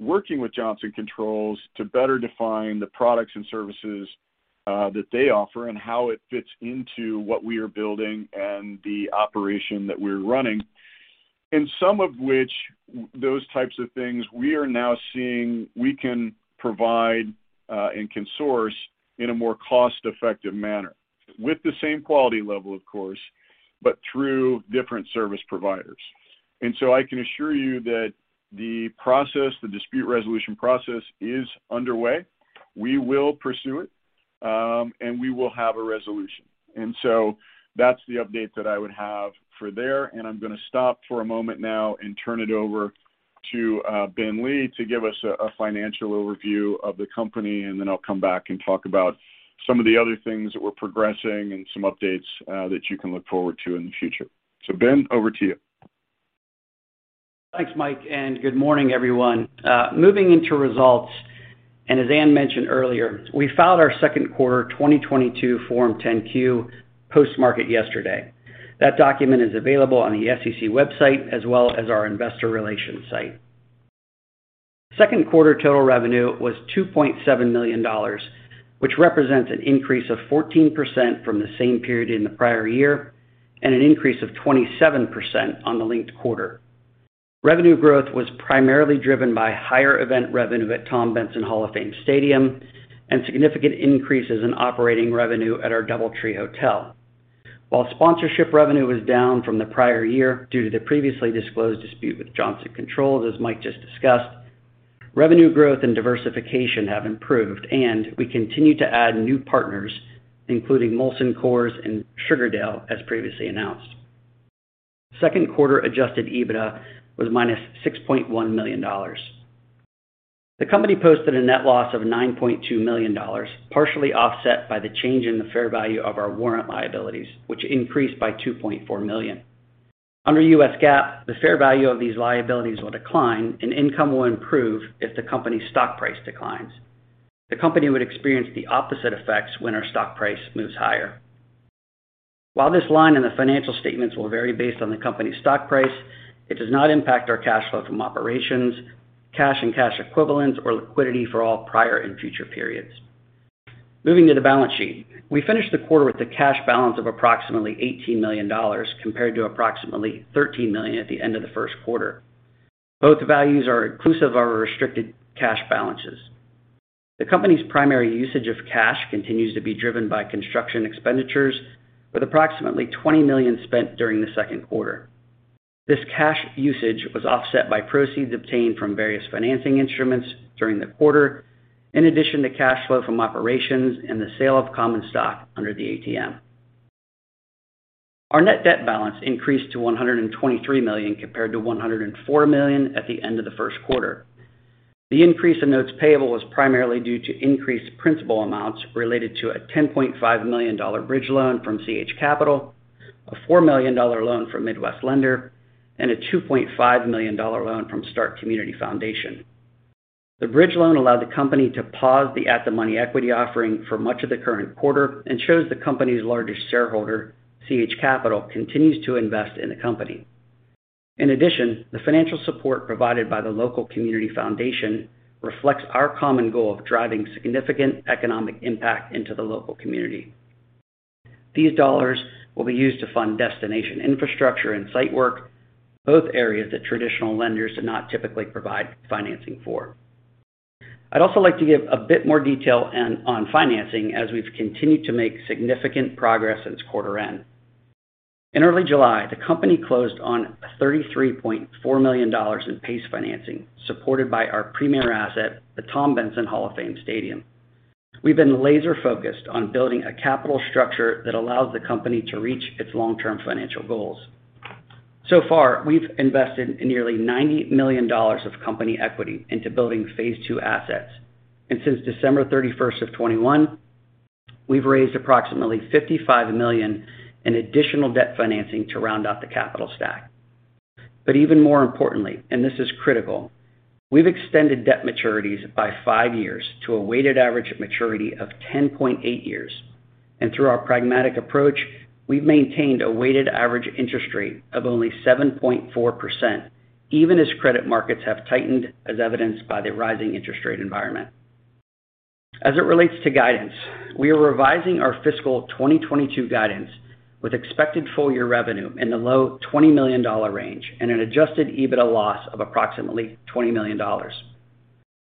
working with Johnson Controls to better define the products and services that they offer and how it fits into what we are building and the operation that we're running. Some of which, those types of things we are now seeing we can provide and can source in a more cost-effective manner with the same quality level, of course, but through different service providers. I can assure you that the process, the dispute resolution process is underway. We will pursue it, and we will have a resolution. That's the update that I would have for there, and I'm going to stop for a moment now and turn it over to Ben Lee to give us a financial overview of the company, and then I'll come back and talk about some of the other things that we're progressing and some updates that you can look forward to in the future. Ben, over to you. Thanks, Mike, and good morning, everyone. Moving into results, and as Anne mentioned earlier, we filed our second quarter 2022 Form 10-Q post-market yesterday. That document is available on the SEC website as well as our Investor Relations site. Second quarter total revenue was $2.7 million, which represents an increase of 14% from the same period in the prior year and an increase of 27% on the linked quarter. Revenue growth was primarily driven by higher event revenue at Tom Benson Hall of Fame Stadium and significant increases in operating revenue at our DoubleTree hotel. While sponsorship revenue was down from the prior year due to the previously disclosed dispute with Johnson Controls, as Mike just discussed, revenue growth and diversification have improved, and we continue to add new partners, including Molson Coors and Sugardale, as previously announced. Second quarter adjusted EBITDA was -$6.1 million. The company posted a net loss of $9.2 million, partially offset by the change in the fair value of our warrant liabilities, which increased by $2.4 million. Under U.S. GAAP, the fair value of these liabilities will decline and income will improve if the company's stock price declines. The company would experience the opposite effects when our stock price moves higher. While this line in the financial statements will vary based on the company's stock price, it does not impact our cash flow from operations, cash and cash equivalents, or liquidity for all prior and future periods. Moving to the balance sheet. We finished the quarter with a cash balance of approximately $18 million compared to approximately $13 million at the end of the first quarter. Both values are inclusive of our restricted cash balances. The company's primary usage of cash continues to be driven by construction expenditures with approximately $20 million spent during the second quarter. This cash usage was offset by proceeds obtained from various financing instruments during the quarter, in addition to cash flow from operations and the sale of common stock under the ATM. Our net debt balance increased to $123 million compared to $104 million at the end of the first quarter. The increase in notes payable was primarily due to increased principal amounts related to a $10.5 million bridge loan from CH Capital, a $4 million loan from Midwest Lender Fund, and a $2.5 million loan from Stark Community Foundation. The bridge loan allowed the company to pause the at-the-market equity offering for much of the current quarter and shows the company's largest shareholder, CH Capital, continues to invest in the company. In addition, the financial support provided by the local community foundation reflects our common goal of driving significant economic impact into the local community. These dollars will be used to fund destination infrastructure and site work, both areas that traditional lenders do not typically provide financing for. I'd also like to give a bit more detail on financing as we've continued to make significant progress since quarter end. In early July, the company closed on $33.4 million in PACE financing, supported by our premier asset, the Tom Benson Hall of Fame Stadium. We've been laser-focused on building a capital structure that allows the company to reach its long-term financial goals. So far, we've invested nearly $90 million of company equity into building phase II assets. Since December 31st, 2021, we've raised approximately $55 million in additional debt financing to round out the capital stack. Even more importantly, and this is critical, we've extended debt maturities by five years to a weighted average maturity of 10.8 years. Through our pragmatic approach, we've maintained a weighted average interest rate of only 7.4%, even as credit markets have tightened as evidenced by the rising interest rate environment. As it relates to guidance, we are revising our fiscal 2022 guidance with expected full-year revenue in the low $20 million range and an adjusted EBITDA loss of approximately $20 million.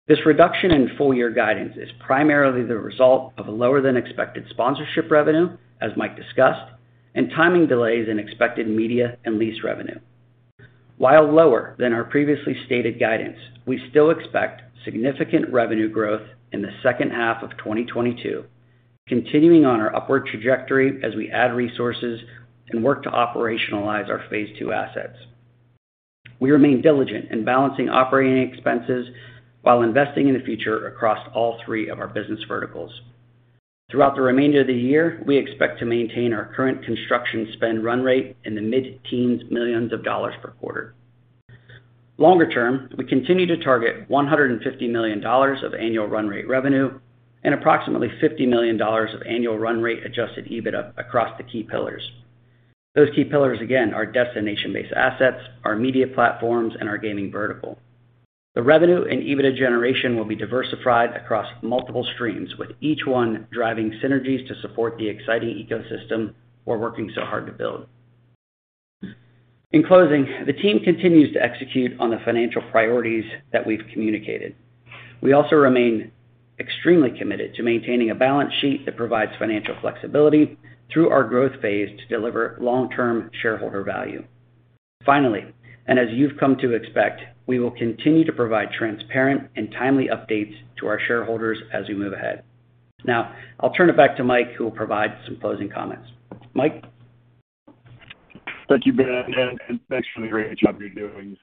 This reduction in full-year guidance is primarily the result of lower than expected sponsorship revenue, as Mike discussed, and timing delays in expected media and lease revenue. While lower than our previously stated guidance, we still expect significant revenue growth in the second half of 2022, continuing on our upward trajectory as we add resources and work to operationalize our phase II assets. We remain diligent in balancing operating expenses while investing in the future across all three of our business verticals. Throughout the remainder of the year, we expect to maintain our current construction spend run rate in the mid-teens millions of dollars per quarter. Longer term, we continue to target $150 million of annual run rate revenue and approximately $50 million of annual run rate adjusted EBITDA across the key pillars. Those key pillars, again, are destination-based assets, our media platforms, and our gaming vertical. The revenue and EBITDA generation will be diversified across multiple streams, with each one driving synergies to support the exciting ecosystem we're working so hard to build. In closing, the team continues to execute on the financial priorities that we've communicated. We also remain extremely committed to maintaining a balance sheet that provides financial flexibility through our growth phase to deliver long-term shareholder value. Finally, and as you've come to expect, we will continue to provide transparent and timely updates to our shareholders as we move ahead. Now, I'll turn it back to Mike, who will provide some closing comments. Mike? Thank you, Ben, and thanks for the great job you're doing.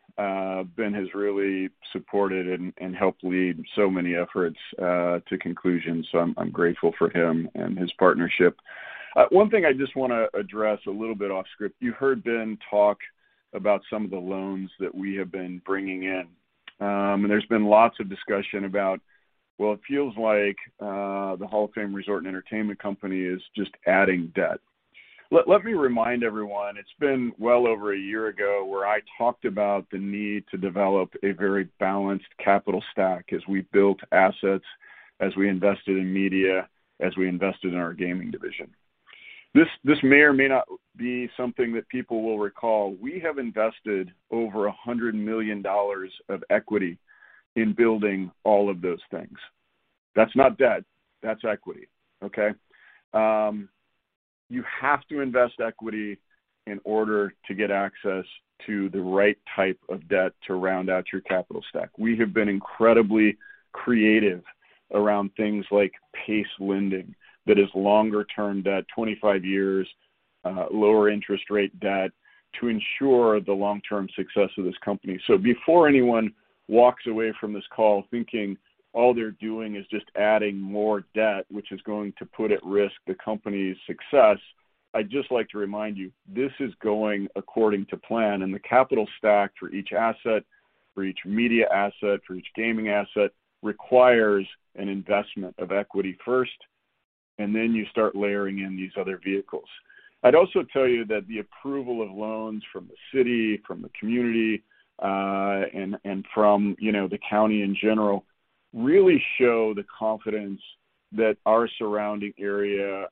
Ben has really supported and helped lead so many efforts to conclusion, so I'm grateful for him and his partnership. One thing I just want to address a little bit off script. You heard Ben talk about some of the loans that we have been bringing in. There's been lots of discussion about, well, it feels like the Hall of Fame Resort & Entertainment Company is just adding debt. Let me remind everyone, it's been well over a year ago where I talked about the need to develop a very balanced capital stack as we built assets, as we invested in media, as we invested in our gaming division. This may or may not be something that people will recall. We have invested over $100 million of equity in building all of those things. That's not debt, that's equity, okay? You have to invest equity in order to get access to the right type of debt to round out your capital stack. We have been incredibly creative around things like PACE lending that is longer-term debt, 25 years, lower interest rate debt to ensure the long-term success of this company. Before anyone walks away from this call thinking all they're doing is just adding more debt, which is going to put at risk the company's success, I'd just like to remind you, this is going according to plan, and the capital stack for each asset, for each media asset, for each gaming asset requires an investment of equity first, and then you start layering in these other vehicles. I'd also tell you that the approval of loans from the city, from the community, and from, you know, the county in general, really show the confidence that our surrounding area,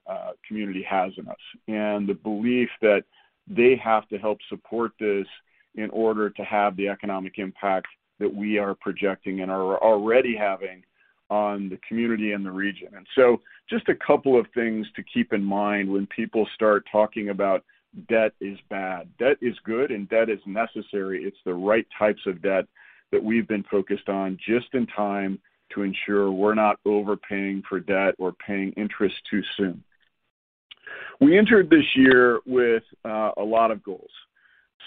community has in us, and the belief that they have to help support this in order to have the economic impact that we are projecting and are already having on the community and the region. Just a couple of things to keep in mind when people start talking about debt is bad. Debt is good and debt is necessary. It's the right types of debt that we've been focused on just in time to ensure we're not overpaying for debt or paying interest too soon. We entered this year with a lot of goals,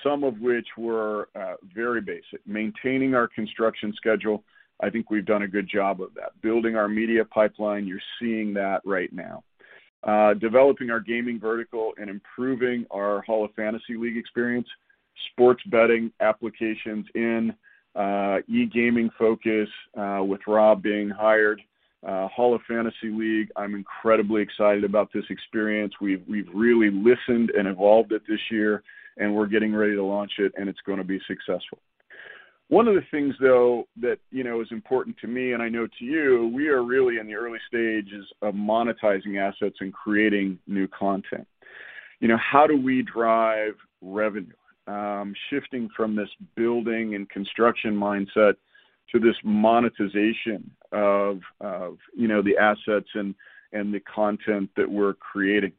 some of which were very basic. Maintaining our construction schedule, I think we've done a good job of that. Building our media pipeline, you're seeing that right now. Developing our gaming vertical and improving our Hall of Fantasy League experience, sports betting applications in e-gaming focus with Rob Bormann being hired, Hall of Fantasy League, I'm incredibly excited about this experience. We've really listened and evolved it this year, and we're getting ready to launch it, and it's going to be successful. One of the things, though, that, you know, is important to me, and I know to you, we are really in the early stages of monetizing assets and creating new content. You know, how do we drive revenue? Shifting from this building and construction mindset to this monetization of, you know, the assets and the content that we're creating.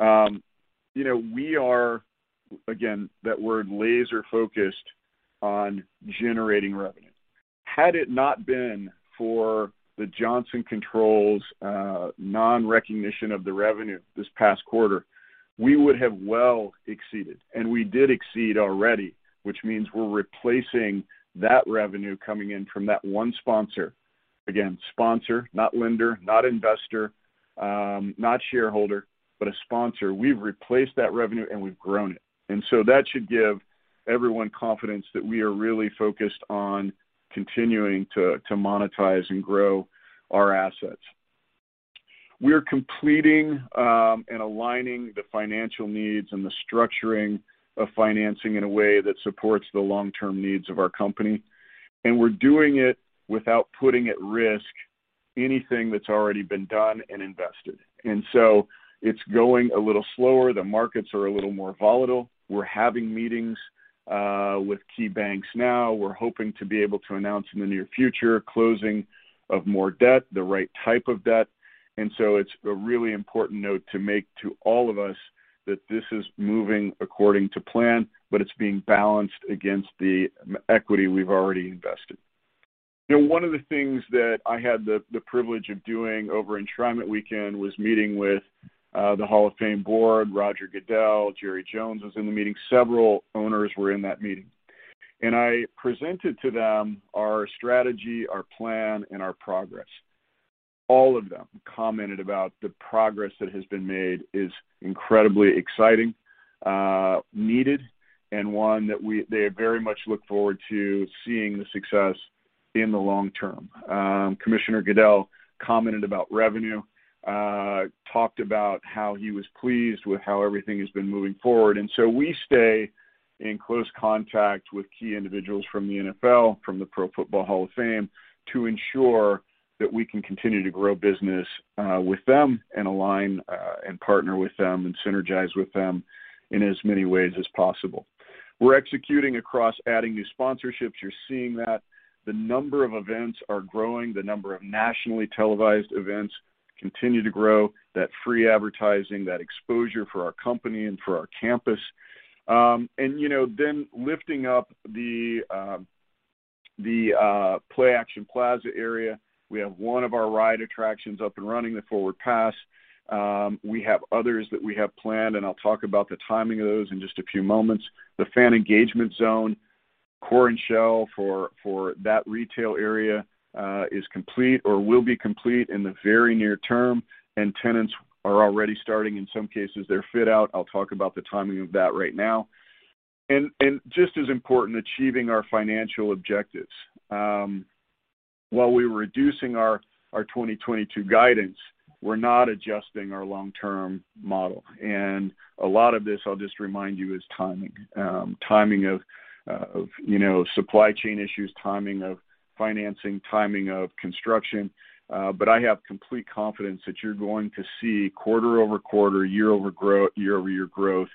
You know, we are again, that we're laser-focused on generating revenue. Had it not been for the Johnson Controls' non-recognition of the revenue this past quarter, we would have well exceeded, and we did exceed already, which means we're replacing that revenue coming in from that one sponsor, again, sponsor, not lender, not investor, not shareholder, but a sponsor. We've replaced that revenue, and we've grown it. That should give everyone confidence that we are really focused on continuing to monetize and grow our assets. We're completing, and aligning the financial needs and the structuring of financing in a way that supports the long-term needs of our company, and we're doing it without putting at risk anything that's already been done and invested. It's going a little slower. The markets are a little more volatile. We're having meetings with key banks now. We're hoping to be able to announce in the near future closing of more debt, the right type of debt. It's a really important note to make to all of us that this is moving according to plan, but it's being balanced against the equity we've already invested. You know, one of the things that I had the privilege of doing over Enshrinement Weekend was meeting with the Hall of Fame board, Roger Goodell, Jerry Jones was in the meeting. Several owners were in that meeting. I presented to them our strategy, our plan, and our progress. All of them commented about the progress that has been made is incredibly exciting, needed, and one that they very much look forward to seeing the success in the long term. Commissioner Goodell commented about revenue, talked about how he was pleased with how everything has been moving forward. We stay in close contact with key individuals from the NFL, from the Pro Football Hall of Fame to ensure that we can continue to grow business with them and align and partner with them and synergize with them in as many ways as possible. We're executing across adding new sponsorships. You're seeing that. The number of events are growing. The number of nationally televised events continue to grow. That free advertising, that exposure for our company and for our campus. You know, lifting up the Play-Action Plaza area, we have one of our ride attractions up and running, the Forward Pass. We have others that we have planned, and I'll talk about the timing of those in just a few moments. The fan engagement zone, core and shell for that retail area, is complete or will be complete in the very near term, and tenants are already starting, in some cases, their fit-out. I'll talk about the timing of that right now. Just as important, achieving our financial objectives. While we're reducing our 2022 guidance, we're not adjusting our long-term model. A lot of this, I'll just remind you, is timing. Timing of, you know, supply chain issues, timing of financing, timing of construction. But I have complete confidence that you're going to see quarter-over-quarter, year-over-year growth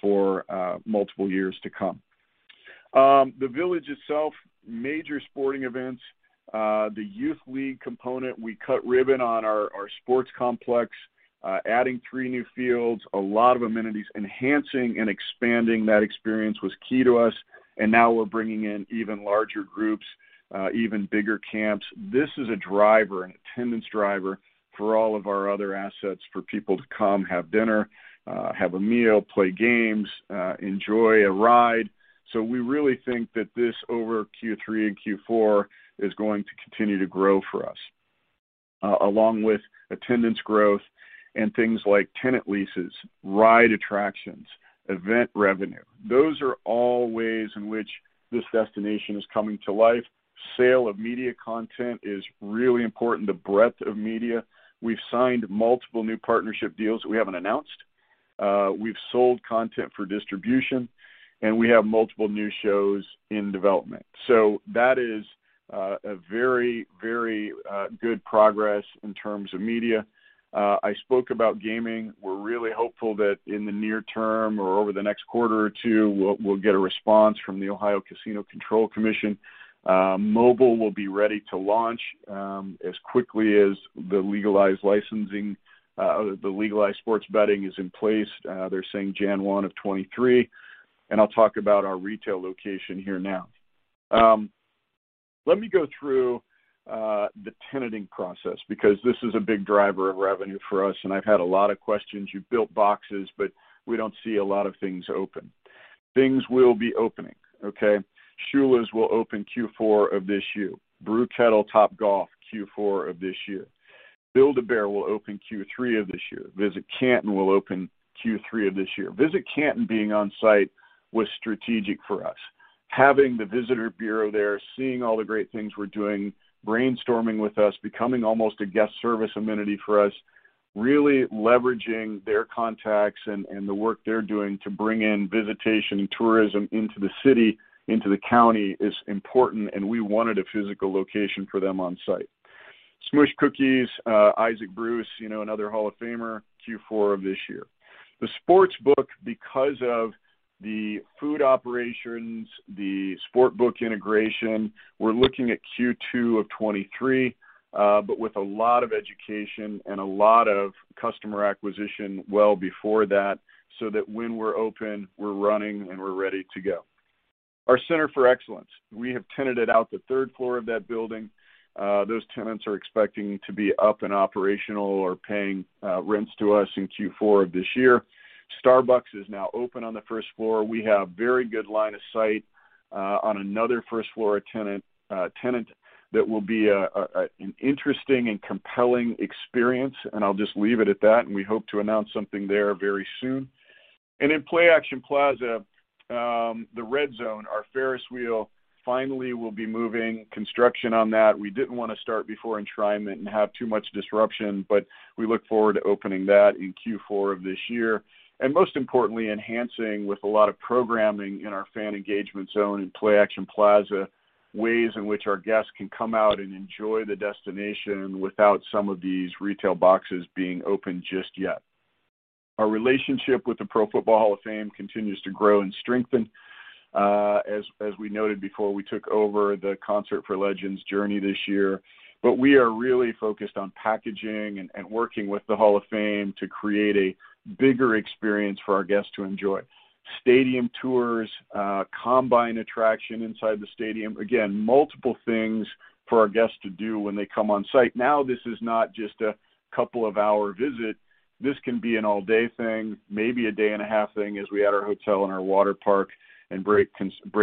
for multiple years to come. The village itself, major sporting events, the youth league component. We cut ribbon on our sports complex, adding three new fields, a lot of amenities. Enhancing and expanding that experience was key to us, and now we're bringing in even larger groups, even bigger camps. This is a driver, an attendance driver for all of our other assets for people to come have dinner, have a meal, play games, enjoy a ride. We really think that this over Q3 and Q4 is going to continue to grow for us. Along with attendance growth and things like tenant leases, ride attractions, event revenue. Those are all ways in which this destination is coming to life. Sale of media content is really important, the breadth of media. We've signed multiple new partnership deals that we haven't announced. We've sold content for distribution, and we have multiple new shows in development. That is a very good progress in terms of media. I spoke about gaming. We're really hopeful that in the near term or over the next quarter or two, we'll get a response from the Ohio Casino Control Commission. Mobile will be ready to launch as quickly as the legalized sports betting is in place. They're saying January 1, 2023. I'll talk about our retail location here now. Let me go through the tenanting process because this is a big driver of revenue for us, and I've had a lot of questions. You've built boxes, but we don't see a lot of things open. Things will be opening, okay? Shula's will open Q4 of this year. Brew Kettle, Topgolf, Q4 of this year. Build-A-Bear will open Q3 of this year. Visit Canton will open Q3 of this year. Visit Canton being on site was strategic for us. Having the Visitor Bureau there, seeing all the great things we're doing, brainstorming with us, becoming almost a guest service amenity for us, really leveraging their contacts and the work they're doing to bring in visitation and tourism into the city, into the county is important, and we wanted a physical location for them on site. SMOOSH Cookies, Isaac Bruce, you know, another Hall of Famer, Q4 of this year. The sports book, because of the food operations, the sports book integration, we're looking at Q2 of 2023, but with a lot of education and a lot of customer acquisition well before that, so that when we're open, we're running and we're ready to go. Our Constellation Center for Excellence, we have tenanted out the third floor of that building. Those tenants are expecting to be up and operational or paying rents to us in Q4 of this year. Starbucks is now open on the first floor. We have very good line of sight on another first-floor tenant that will be an interesting and compelling experience, and I'll just leave it at that, and we hope to announce something there very soon. In Play-Action Plaza, the Red Zone, our ferris wheel finally will be moving construction on that. We didn't want to start before Enshrinement and have too much disruption, but we look forward to opening that in Q4 of this year. Most importantly, enhancing with a lot of programming in our fan engagement zone in Play-Action Plaza, ways in which our guests can come out and enjoy the destination without some of these retail boxes being open just yet. Our relationship with the Pro Football Hall of Fame continues to grow and strengthen. As we noted before, we took over the Concert for Legends: Journey this year. We are really focused on packaging and working with the Hall of Fame to create a bigger experience for our guests to enjoy. Stadium tours, Combine attraction inside the stadium. Again, multiple things for our guests to do when they come on site. Now, this is not just a couple-of-hour visit. This can be an all-day thing, maybe a day and a half thing, as we add our hotel and our water park and break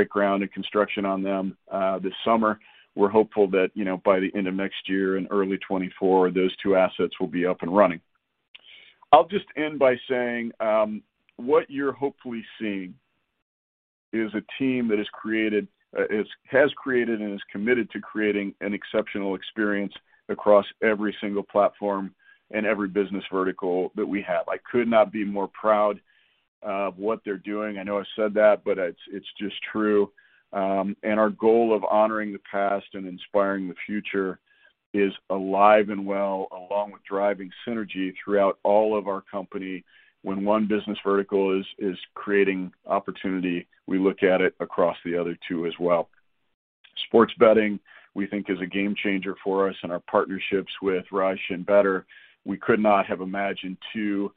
ground and construction on them this summer. We're hopeful that, you know, by the end of next year and early 2024, those two assets will be up and running. I'll just end by saying what you're hopefully seeing is a team that has created and is committed to creating an exceptional experience across every single platform and every business vertical that we have. I could not be more proud of what they're doing. I know I've said that, but it's just true. Our goal of honoring the past and inspiring the future is alive and well, along with driving synergy throughout all of our company. When one business vertical is creating opportunity, we look at it across the other two as well. Sports betting, we think, is a game-changer for us and our partnerships with Rush and Betr. We could not have imagined two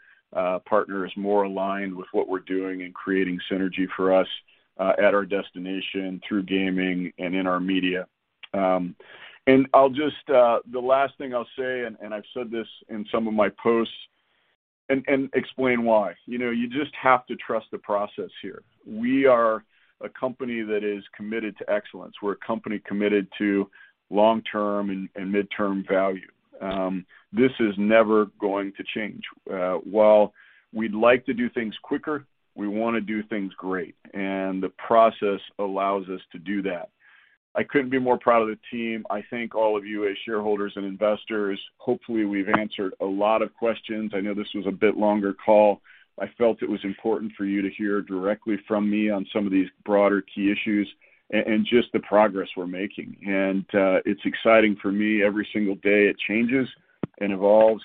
partners more aligned with what we're doing in creating synergy for us at our destination through gaming and in our media. The last thing I'll say, and I've said this in some of my posts, and explain why. You know, you just have to trust the process here. We are a company that is committed to excellence. We're a company committed to long-term and midterm value. This is never going to change. While we'd like to do things quicker, we want to do things great, and the process allows us to do that. I couldn't be more proud of the team. I thank all of you as shareholders and investors. Hopefully, we've answered a lot of questions. I know this was a bit longer call. I felt it was important for you to hear directly from me on some of these broader key issues and just the progress we're making. It's exciting for me every single day. It changes and evolves.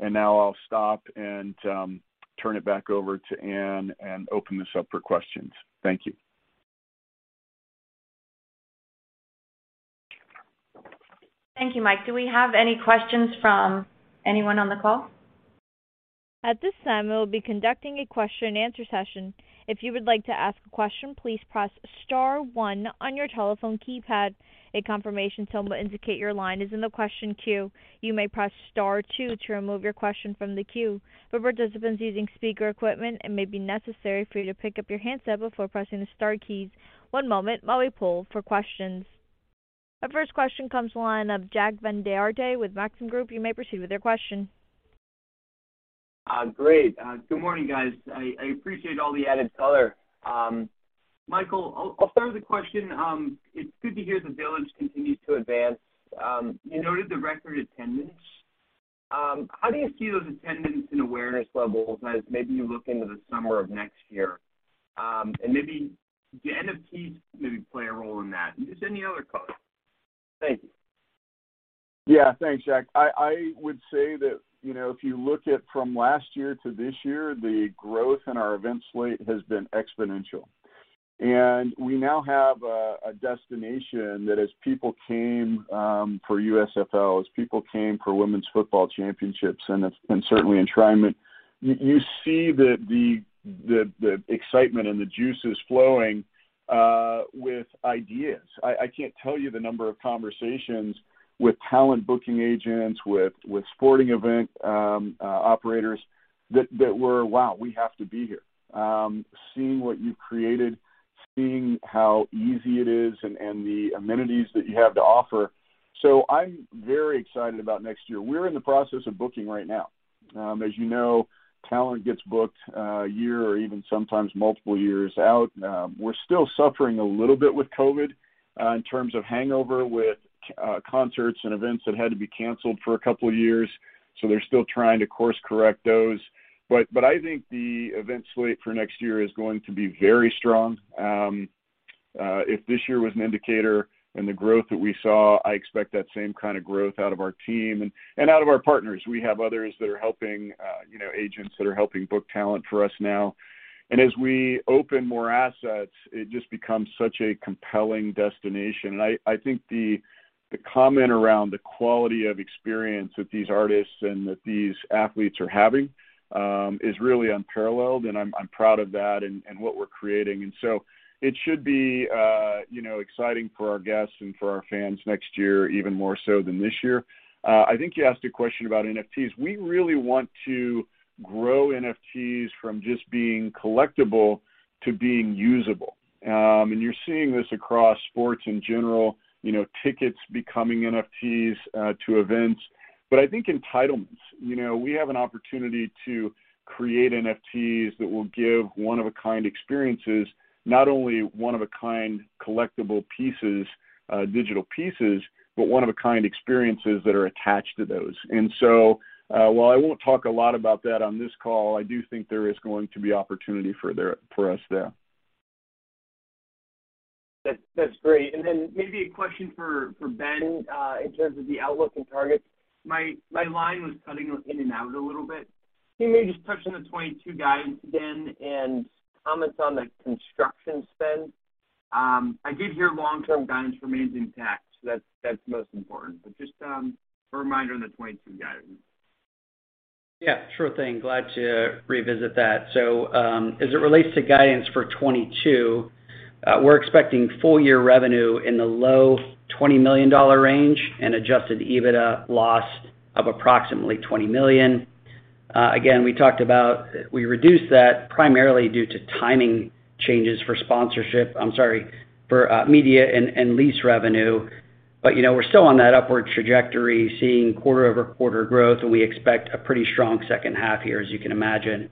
Now I'll stop and turn it back over to Anne and open this up for questions. Thank you. Thank you, Mike. Do we have any questions from anyone on the call? At this time, we will be conducting a question-and-answer session. If you would like to ask a question, please press star one on your telephone keypad. A confirmation tone will indicate your line is in the question queue. You may press star two to remove your question from the queue. For participants using speaker equipment, it may be necessary for you to pick up your handset before pressing the star keys. One moment while we poll for questions. Our first question comes from the line of Jack Van Aarde with Maxim Group. You may proceed with your question. Great. Good morning, guys. I appreciate all the added color. Michael, I'll start with a question. It's good to hear the Village continues to advance. You noted the record attendance. How do you see those attendance and awareness levels as maybe you look into the summer of next year? Maybe the NFTs play a role in that. Just any other color. Thank you. Yeah. Thanks, Jack. I would say that, you know, if you look at from last year to this year, the growth in our event slate has been exponential. We now have a destination that as people came for USFL, as people came for Women's Football Championships and certainly Enshrinement, you see the excitement and the juices flowing with ideas. I can't tell you the number of conversations with talent booking agents, with sporting event operators that were, wow, we have to be here. Seeing what you've created, seeing how easy it is and the amenities that you have to offer. I'm very excited about next year. We're in the process of booking right now. As you know, talent gets booked a year or even sometimes multiple years out. We're still suffering a little bit with COVID in terms of hangover with concerts and events that had to be canceled for a couple of years, so they're still trying to course-correct those. I think the event slate for next year is going to be very strong. If this year was an indicator and the growth that we saw, I expect that same kind of growth out of our team and out of our partners. We have others that are helping, you know, agents that are helping book talent for us now. As we open more assets, it just becomes such a compelling destination. I think the comment around the quality of experience that these artists and athletes are having is really unparalleled, and I'm proud of that and what we're creating. It should be, you know, exciting for our guests and for our fans next year, even more so than this year. I think you asked a question about NFTs. We really want to grow NFTs from just being collectible to being usable. You're seeing this across sports in general, you know, tickets becoming NFTs to events. I think entitlements, you know, we have an opportunity to create NFTs that will give one-of-a-kind experiences, not only one-of-a-kind collectible pieces, digital pieces, but one-of-a-kind experiences that are attached to those. While I won't talk a lot about that on this call, I do think there is going to be opportunity for us there. That's great. Then maybe a question for Ben in terms of the outlook and targets. My line was cutting in and out a little bit. Can you maybe just touch on the 2022 guidance again and comment on the construction spend? I did hear long-term guidance remains intact. That's most important. Just a reminder on the 2022 guidance. Yeah, sure thing. Glad to revisit that. As it relates to guidance for 2022, we're expecting full year revenue in the low $20 million range and adjusted EBITDA loss of approximately $20 million. We reduced that primarily due to timing changes for sponsorship. I'm sorry, for Media and Lease revenue. You know, we're still on that upward trajectory, seeing quarter-over-quarter growth, and we expect a pretty strong second half here, as you can imagine.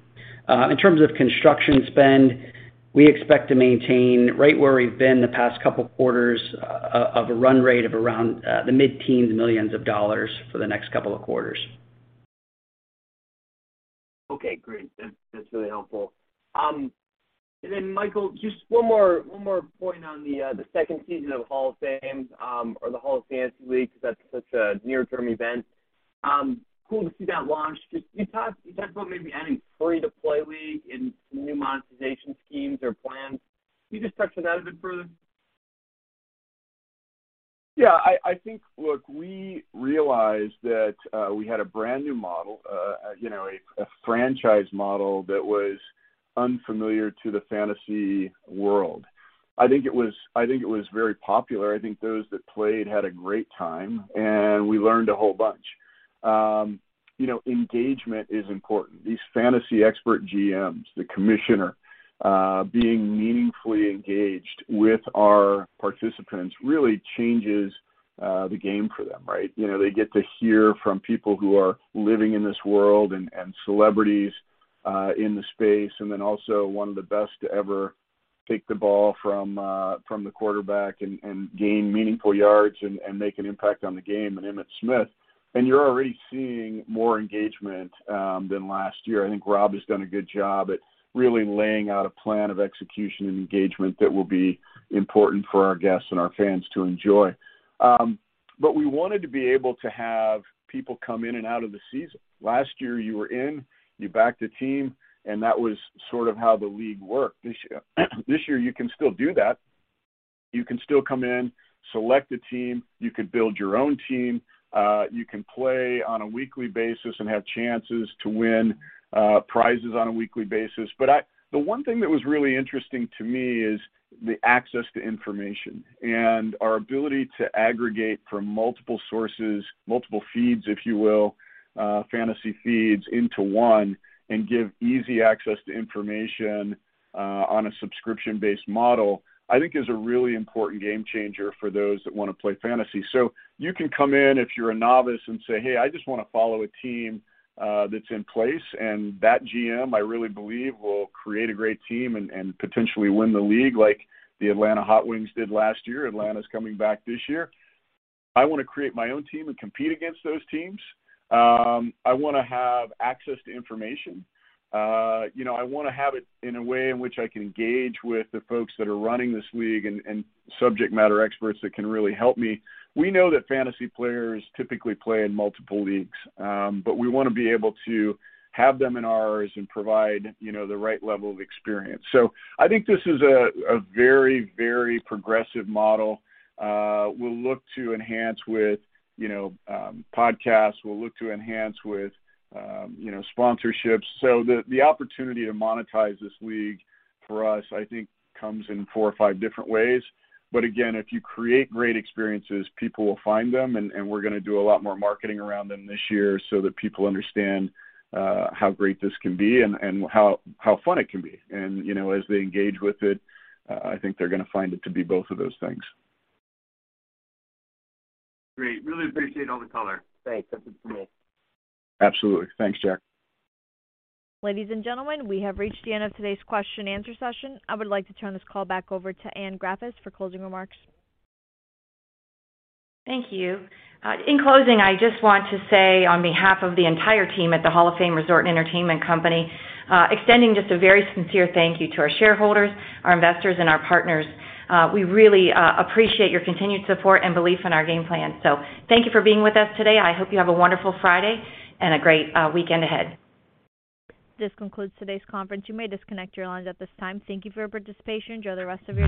In terms of construction spend, we expect to maintain right where we've been the past couple quarters of a run rate of around the mid-teens millions of dollars for the next couple of quarters. Okay, great. That's really helpful. Michael, just one more point on the second season of Hall of Fame or the Hall of Fantasy League, because that's such a near-term event. Cool to see that launch. Just can you talk about maybe adding free-to-play league and new monetization schemes or plans? Can you just touch on that a bit further? Yeah, I think. Look, we realized that we had a brand new model, you know, a franchise model that was unfamiliar to the Fantasy world. I think it was very popular. I think those that played had a great time, and we learned a whole bunch. You know, engagement is important. These Fantasy expert GMs, the commissioner, being meaningfully engaged with our participants really changes the game for them, right? You know, they get to hear from people who are living in this world and celebrities in the space, and then also one of the best to ever take the ball from the quarterback and gain meaningful yards and make an impact on the game in Emmitt Smith. You're already seeing more engagement than last year. I think Rob has done a good job at really laying out a plan of execution and engagement that will be important for our guests and our fans to enjoy. We wanted to be able to have people come in and out of the season. Last year, you were in, you backed a team, and that was sort of how the league worked. This year, you can still do that. You can still come in, select a team, you can build your own team, you can play on a weekly basis and have chances to win, prizes on a weekly basis. The one thing that was really interesting to me is the access to information and our ability to aggregate from multiple sources, multiple feeds, if you will, fantasy feeds into one and give easy access to information on a subscription-based model, I think is a really important game changer for those that want to play fantasy. You can come in if you're a novice and say, hey, I just want to follow a team that's in place, and that GM, I really believe, will create a great team and potentially win the league like the Atlanta Hot Wings did last year. Atlanta's coming back this year. I want to create my own team and compete against those teams. I want to have access to information. You know, I want to have it in a way in which I can engage with the folks that are running this league and subject matter experts that can really help me. We know that Fantasy players typically play in multiple leagues, but we want to be able to have them in ours and provide, you know, the right level of experience. I think this is a very, very progressive model. We'll look to enhance with, you know, podcasts. We'll look to enhance with, you know, sponsorships. The opportunity to monetize this league for us, I think, comes in four or five different ways. Again, if you create great experiences, people will find them, and we're going to do a lot more marketing around them this year so that people understand how great this can be and how fun it can be. You know, as they engage with it, I think they're going to find it to be both of those things. Great. Really appreciate all the color. Thanks. That's it for me. Absolutely. Thanks, Jack. Ladies and gentlemen, we have reached the end of today's question-and-answer session. I would like to turn this call back over to Anne Graffice for closing remarks. Thank you. In closing, I just want to say on behalf of the entire team at the Hall of Fame Resort & Entertainment Company, extending just a very sincere thank you to our shareholders, our investors, and our partners. We really appreciate your continued support and belief in our game plan. Thank you for being with us today. I hope you have a wonderful Friday and a great weekend ahead. This concludes today's conference. You may disconnect your lines at this time. Thank you for your participation. Enjoy the rest of your day.